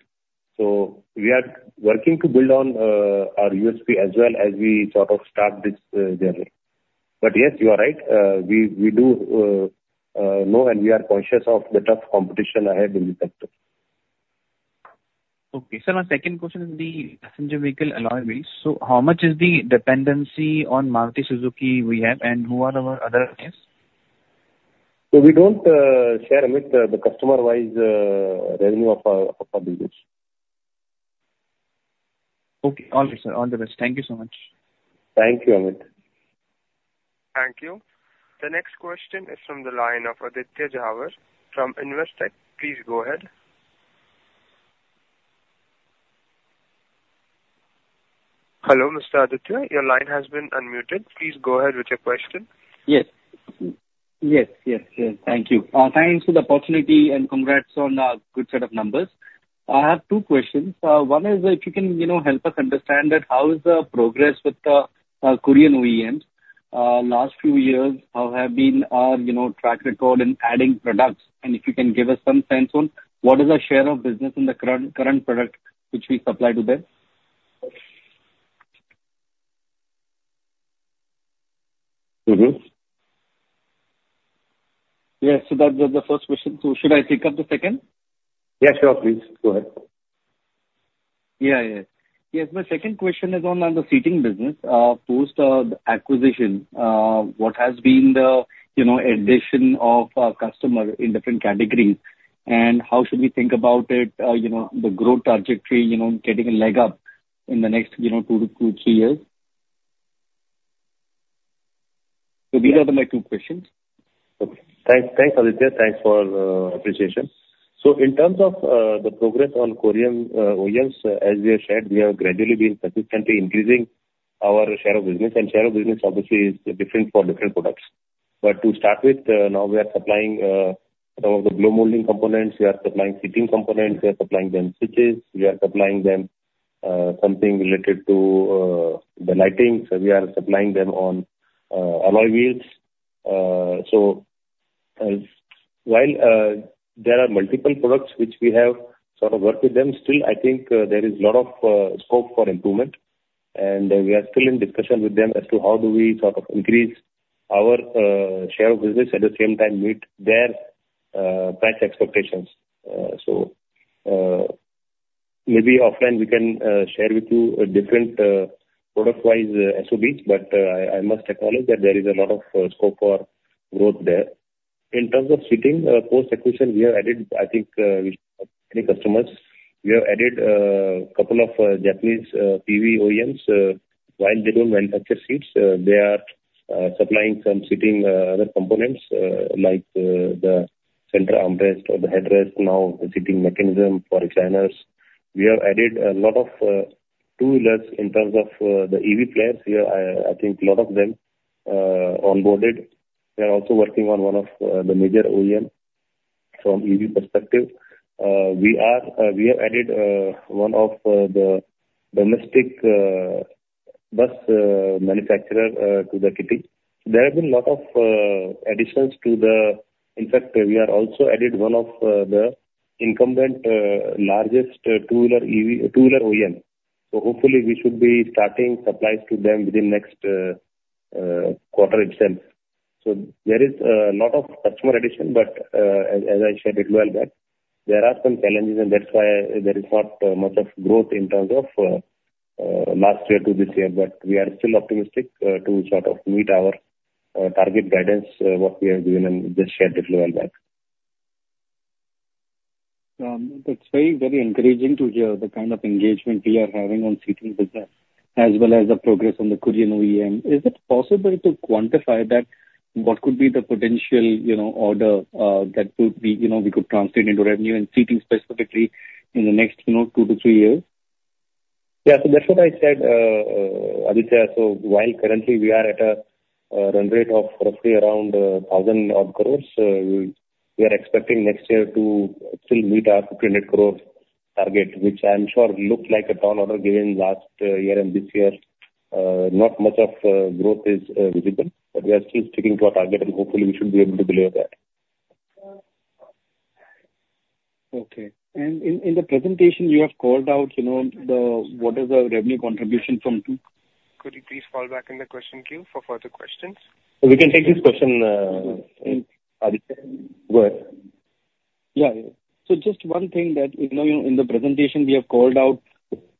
B: So we are working to build on our USP as well as we sort of start this journey. But yes, you are right. We do know and we are conscious of the tough competition ahead in the sector.
H: Okay. Sir, my second question is the passenger vehicle allowance rate. So how much is the dependency on Maruti Suzuki we have, and who are our other guests?
B: So we don't share, Amit, the customer-wise revenue of our business.
H: Okay. All right, sir. All the best. Thank you so much.
B: Thank you, Amit. Thank you.
A: The next question is from the line of Aditya Jhawar from Investec. Please go ahead. Hello, Mr. Aditya. Your line has been unmuted. Please go ahead with your question.
I: Yes. Yes. Yes. Thank you. Thanks for the opportunity and congrats on a good set of numbers. I have two questions. One is if you can help us understand that how is the progress with the Korean OEMs? Last few years, how have been our track record in adding products? And if you can give us some sense on what is our share of business in the current product which we supply to them? Yes. So that's the first question. So should I take up the second? Yeah. Sure, please. Go ahead. Yeah. Yeah. Yes. My second question is on the seating business post-acquisition. What has been the addition of customers in different categories? And how should we think about it, the growth trajectory, getting a leg up in the next 2-3 years? So these are my two questions.
B: Okay. Thanks, Aditya. Thanks for the appreciation. So in terms of the progress on Korean OEMs, as we have shared, we have gradually been consistently increasing our share of business. And share of business, obviously, is different for different products. But to start with, now we are supplying some of the blow molding components. We are supplying seating components. We are supplying them switches. We are supplying them something related to the lighting. So we are supplying them on alloy wheels. So while there are multiple products which we have sort of worked with them, still, I think there is a lot of scope for improvement. And we are still in discussion with them as to how do we sort of increase our share of business at the same time meet their price expectations. So maybe offline, we can share with you different product-wise SOBs. But I must acknowledge that there is a lot of scope for growth there. In terms of seating post-acquisition, we have added, I think, many customers. We have added a couple of Japanese PV OEMs. While they don't manufacture seats, they are supplying some seating components like the center armrest or the headrest, now the seating mechanism for recliners. We have added a lot of two-wheelers in terms of the EV players. I think a lot of them onboarded. We are also working on one of the major OEMs from EV perspective. We have added one of the domestic bus manufacturers to the kitty. There have been a lot of additions to the, in fact, we have also added one of the incumbent largest two-wheeler OEMs. So hopefully, we should be starting supplies to them within the next quarter itself. So there is a lot of customer addition. But as I shared a little while back, there are some challenges, and that's why there is not much of growth in terms of last year to this year. But we are still optimistic to sort of meet our target guidance, what we have given and just shared a little while back.
I: That's very, very encouraging to hear the kind of engagement we are having on seating business as well as the progress on the Korean OEM. Is it possible to quantify that? What could be the potential order that we could translate into revenue and seating specifically in the next two to three years?
B: Yeah. So that's what I said, Aditya. So while currently we are at a run rate of roughly around 1,000 crores, we are expecting next year to still meet our 200 crores target, which I'm sure looks like a tall order given last year and this year. Not much of growth is visible. But we are still sticking to our target, and hopefully, we should be able to deliver that.
I: Okay. And in the presentation, you have called out what is the revenue contribution from. Could you please fall back in the question queue for further questions?
B: We can take this question, Aditya. Go ahead. Yeah.
I: So just one thing that in the presentation, we have called out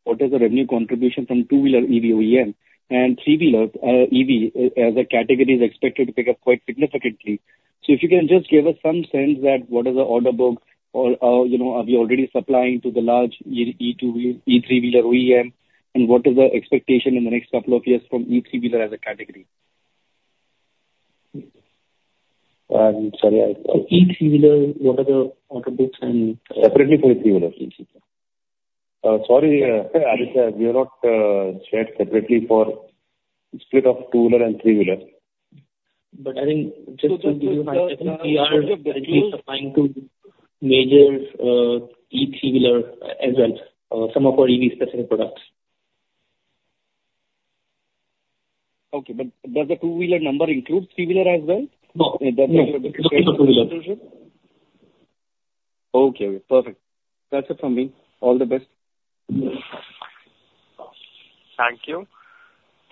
I: what is the revenue contribution from two-wheeler EV OEM and three-wheeler EV as a category is expected to pick up quite significantly. So if you can just give us some sense that what is the order book? Are we already supplying to the large E3-wheeler OEM? And what is the expectation in the next couple of years from E3-wheeler as a category?
B: I'm sorry. So E3-wheeler, what are the order books and? Separately for E3-wheelers. Sorry, Aditya. We have not shared separately for split of two-wheeler and three-wheeler. But I think just to give you an idea, I think we are increasingly supplying to major E3-wheeler as well, some of our EV-specific products. Okay. But does the two-wheeler number include three-wheeler as well? No. That's the distribution. Okay. Okay. Perfect.
I: That's it from me. All the best.
A: Thank you.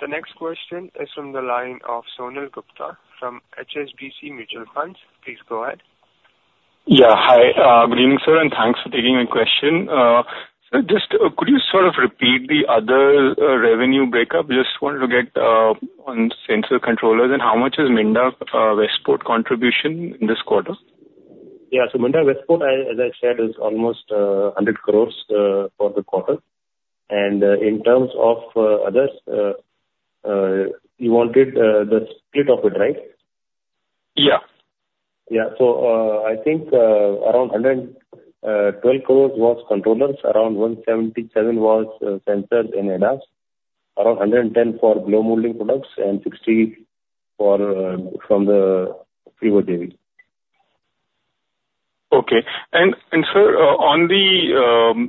A: The next question is from the line of Sonal Gupta from HSBC Mutual Fund. Please go ahead.
J: Yeah. Hi. Good evening, sir. And thanks for taking my question. Sir, just could you sort of repeat the other revenue breakup? Just wanted to get on sensor controllers and how much is Minda Westport contribution in this quarter?
B: Yeah. So Minda Westport, as I shared, is almost 100 crore for the quarter. And in terms of others, you wanted the split of it, right? Yeah. Yeah. So I think around 112 crore was controllers, around 177 crore was sensors and Actuators, around 110 crore for blow molding products, and 60 crore from the Friwo.
J: Okay. And sir, on the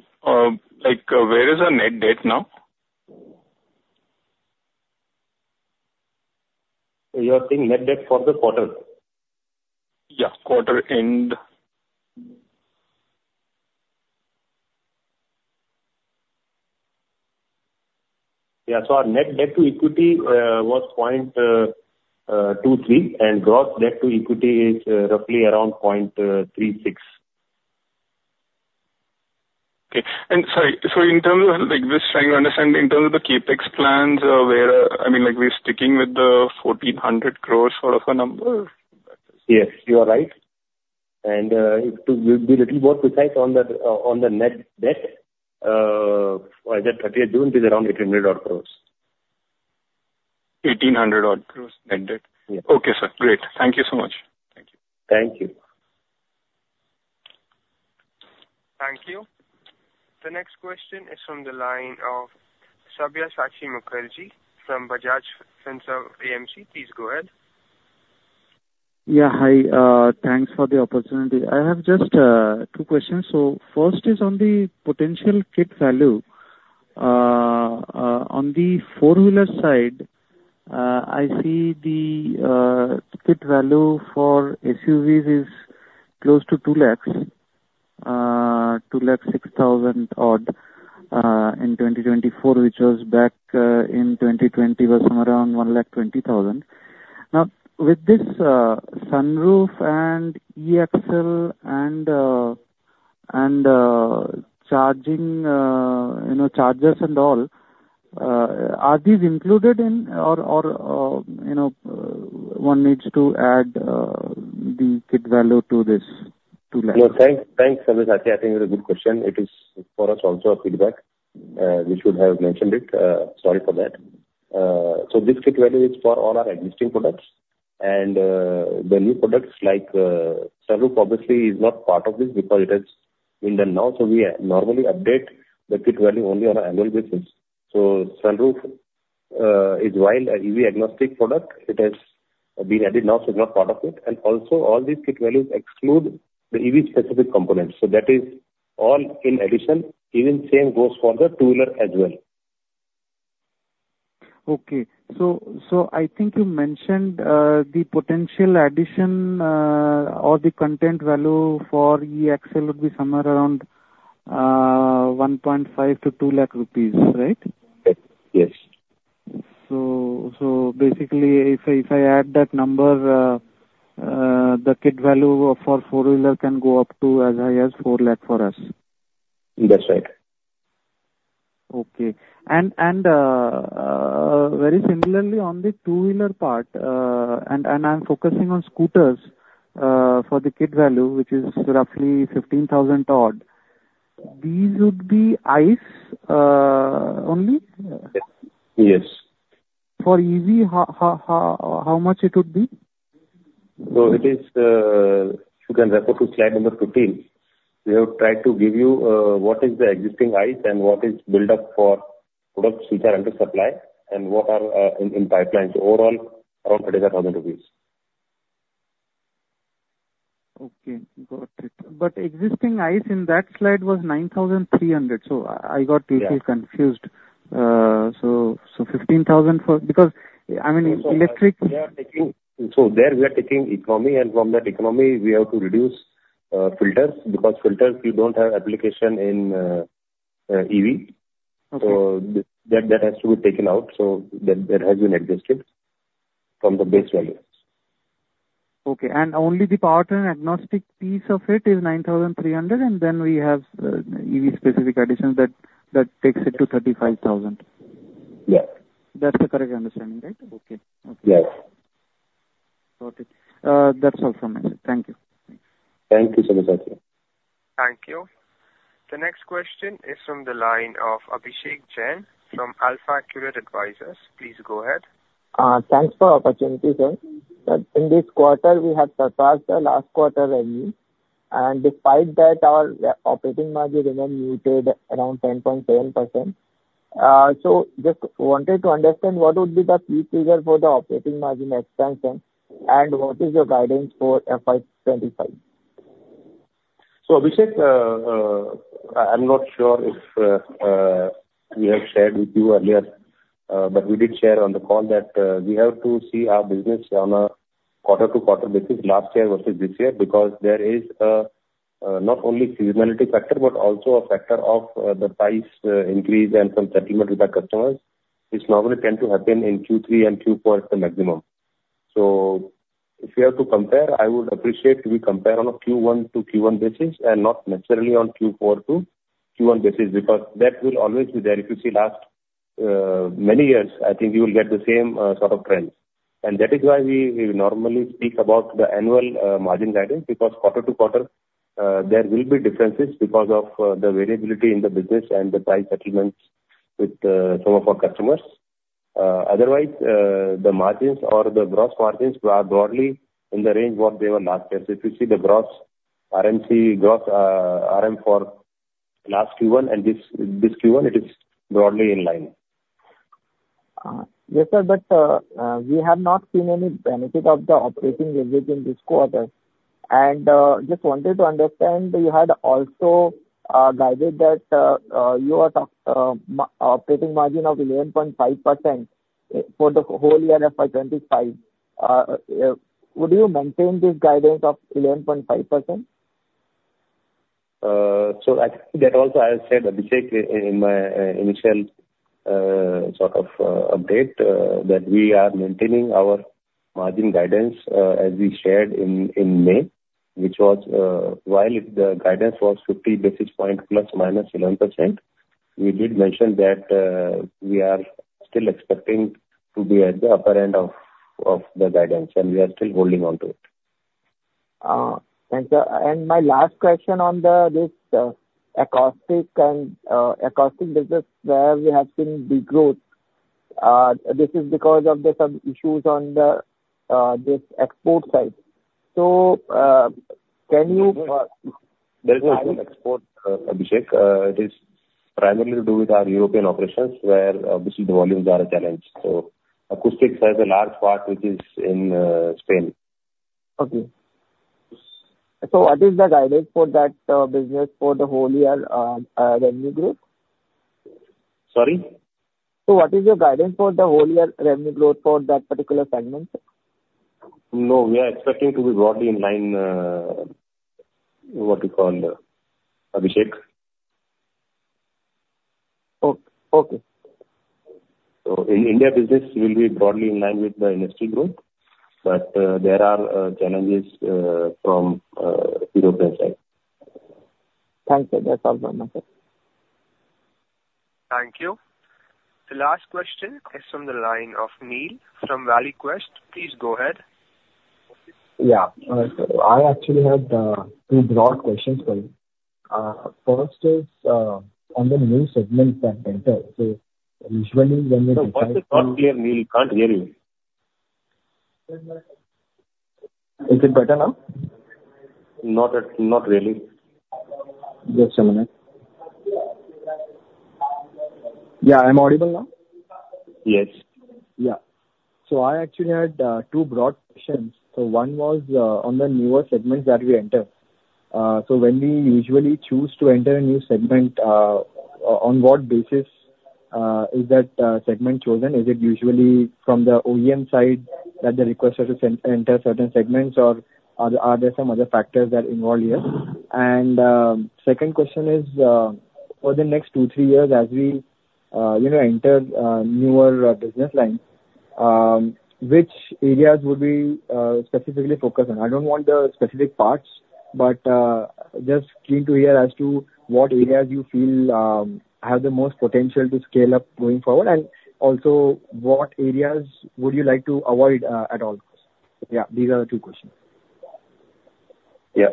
J: where is our net debt now?
B: You are saying net debt for the quarter?
J: Yeah. Quarter end. Yeah.
B: So our net debt to equity was 0.23, and gross debt to equity is roughly around 0.36.
J: Okay. And sorry. So in terms of this trend, you understand in terms of the CapEx plans, I mean, we're sticking with the 1,400 crores sort of a number?
B: Yes. You are right. And if we'll be a little more precise on the net debt, as I said, 30th June is around 1,800 crores. 1,800 crores net debt.
J: Okay, sir. Great. Thank you so much.
B: Thank you. Thank you.
A: Thank you. The next question is from the line of Sabyasachi Mukherjee from Bajaj Finserv AMC. Please go ahead.
K: Yeah. Hi. Thanks for the opportunity. I have just two questions. So first is on the potential kit value. On the four-wheeler side, I see the kit value for SUVs is close to 200,000, 206,000 odd in 2024, which was back in 2020 was somewhere around 120,000. Now, with this sunroof and E-Axle and charging chargers and all, are these included in or one needs to add the kit value to this INR 200,000? Yeah. Thanks, Aditya. I think it's a good question. It is for us also a feedback. We should have mentioned it. Sorry for that. So this kit value is for all our existing products. And the new products like sunroof, obviously, is not part of this because it has been done now. So we normally update the kit value only on an annual basis. So sunroof is, while an EV-agnostic product, it has been added now, so it's not part of it. Also, all these kit values exclude the EV-specific components. So that is all in addition, even same goes for the two-wheeler as well. Okay. So I think you mentioned the potential addition or the content value for EXL would be somewhere around 1.5 lakh-2 lakh rupees, right? Yes. So basically, if I add that number, the kit value for four-wheeler can go up to as high as 4 lakh for us.
B: That's right.
K: Okay. And very similarly, on the two-wheeler part, and I'm focusing on scooters for the kit value, which is roughly 15,000 odd, these would be ICE only? Yes. For EV, how much it would be?
B: So it is, if you can refer to slide number 15, we have tried to give you what is the existing ICE and what is built up for products which are under supply and what are in pipelines. Overall, around 35,000 rupees. Okay. Got it. But existing ICE in that slide was 9,300. So I got a little confused. So 15,000 for because, I mean, electric. So there we are taking economy, and from that economy, we have to reduce filters because filters, you don't have application in EV. So that has to be taken out. So that has been adjusted from the base value.
K: Okay. And only the powertrain agnostic piece of it is 9,300, and then we have EV-specific additions that takes it to 35,000. Yeah. That's the correct understanding, right? Okay. Okay. Got it. That's all from me. Thank you. Thank you so much, Aditya.
A: Thank you. The next question is from the line of Abhishek Jain from Alpha Accurate Advisors. Please go ahead.
L: Thanks for the opportunity, sir. In this quarter, we have surpassed the last quarter revenue. Despite that, our operating margin remained muted, around 10.7%. Just wanted to understand what would be the key figure for the operating margin expansion and what is your guidance for FY25?
B: Abhishek, I'm not sure if we have shared with you earlier, but we did share on the call that we have to see our business on a quarter-to-quarter basis last year versus this year because there is not only seasonality factor, but also a factor of the price increase and some settlement with our customers. This normally tends to happen in Q3 and Q4 at the maximum. If we have to compare, I would appreciate if we compare on a Q1-to-Q1 basis and not necessarily on Q4-to-Q1 basis because that will always be there. If you see last many years, I think you will get the same sort of trends. And that is why we normally speak about the annual margin guidance because quarter-to-quarter, there will be differences because of the variability in the business and the price settlements with some of our customers. Otherwise, the margins or the gross margins are broadly in the range what they were last year. So if you see the gross RMC, gross RM for last Q1 and this Q1, it is broadly in line.
L: Yes, sir. But we have not seen any benefit of the operating leverage in this quarter. And just wanted to understand, you had also guided that your operating margin of 11.5% for the whole year FY25. Would you maintain this guidance of 11.5%?
B: So that also I have said, Abhishek, in my initial sort of update that we are maintaining our margin guidance as we shared in May, which was while the guidance was 50 basis points ±11%, we did mention that we are still expecting to be at the upper end of the guidance, and we are still holding on to it.
L: And my last question on this acoustics business where we have seen the growth, this is because of some issues on this export side. So can you? There is no export,
B: Abhishek. It is primarily to do with our European operations where obviously the volumes are a challenge. So acoustics has a large part, which is in Spain.
L: Okay. So what is the guidance for that business for the whole year revenue growth? Sorry? So what is your guidance for the whole year revenue growth for that particular segment?
B: No, we are expecting to be broadly in line, what you call, Abhishek.
L: Okay.
B: So in India, business will be broadly in line with the industry growth, but there are challenges from the European side.
L: Thank you. That's all from me, sir.
A: Thank you. The last question is from the line of Neil from ValueQuest. Please go ahead.
M: Yeah. So I actually have two broad questions for you. First is on the new segments that enter. So usually when we—
B: What is not clear, Neil? Can't hear you.
M: Is it better now?
B: Not really.
M: Just a minute. Yeah. I'm audible now? Yes. Yeah. So I actually had two broad questions. So one was on the newer segments that we enter. So when we usually choose to enter a new segment, on what basis is that segment chosen? Is it usually from the OEM side that they request us to enter certain segments, or are there some other factors that involve here? And second question is, for the next 2-3 years, as we enter newer business lines, which areas would we specifically focus on? I don't want the specific parts, but just keen to hear as to what areas you feel have the most potential to scale up going forward, and also what areas would you like to avoid at all? Yeah. These are the two questions.
B: Yeah.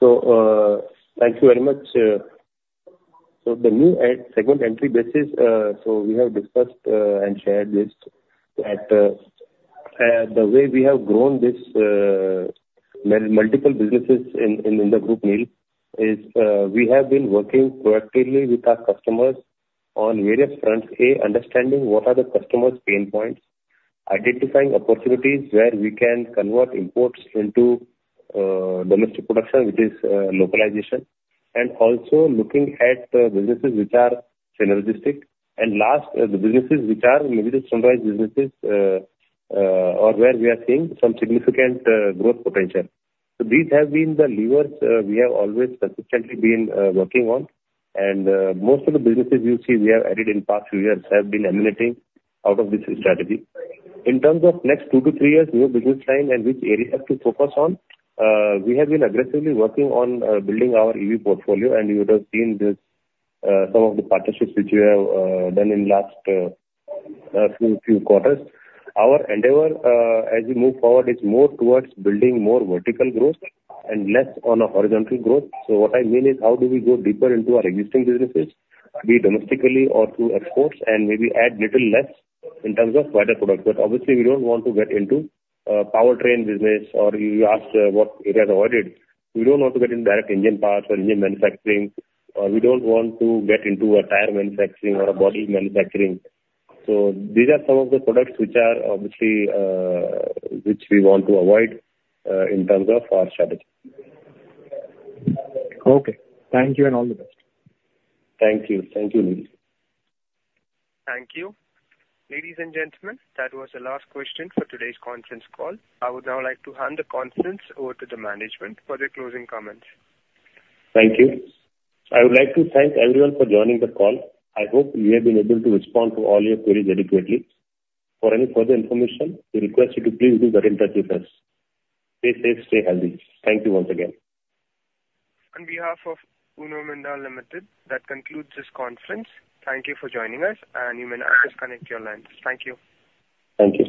B: So thank you very much. So, the new segment entry basis—so we have discussed and shared this—that the way we have grown this multiple businesses in the group, Neil, is we have been working proactively with our customers on various fronts, A, understanding what are the customers' pain points, identifying opportunities where we can convert imports into domestic production, which is localization, and also looking at businesses which are synergistic. And last, the businesses which are maybe the summarized businesses or where we are seeing some significant growth potential. So these have been the levers we have always consistently been working on. And most of the businesses you see we have added in the past few years have been emanating out of this strategy. In terms of next 2 to 3 years, new business line and which areas to focus on, we have been aggressively working on building our EV portfolio, and you would have seen some of the partnerships which we have done in the last few quarters. Our endeavor as we move forward is more towards building more vertical growth and less on a horizontal growth. So what I mean is how do we go deeper into our existing businesses, be it domestically or through exports, and maybe add little less in terms of wider products. But obviously, we don't want to get into powertrain business, or you asked what areas are avoided. We don't want to get into direct engine parts or engine manufacturing, or we don't want to get into a tire manufacturing or a body manufacturing. So these are some of the products which are obviously which we want to avoid in terms of our strategy.
M: Okay. Thank you and all the best. Thank you. Thank you, Neil.
A: Thank you. Ladies and gentlemen, that was the last question for today's conference call. I would now like to hand the conference over to the management for their closing comments.
B: Thank you. I would like to thank everyone for joining the call. I hope you have been able to respond to all your queries adequately. For any further information, we request you to please do get in touch with us. Stay safe, stay healthy. Thank you once again. On behalf of Uno Minda Limited, that concludes this conference. Thank you for joining us, and you may now disconnect your lines. Thank you. Thank you.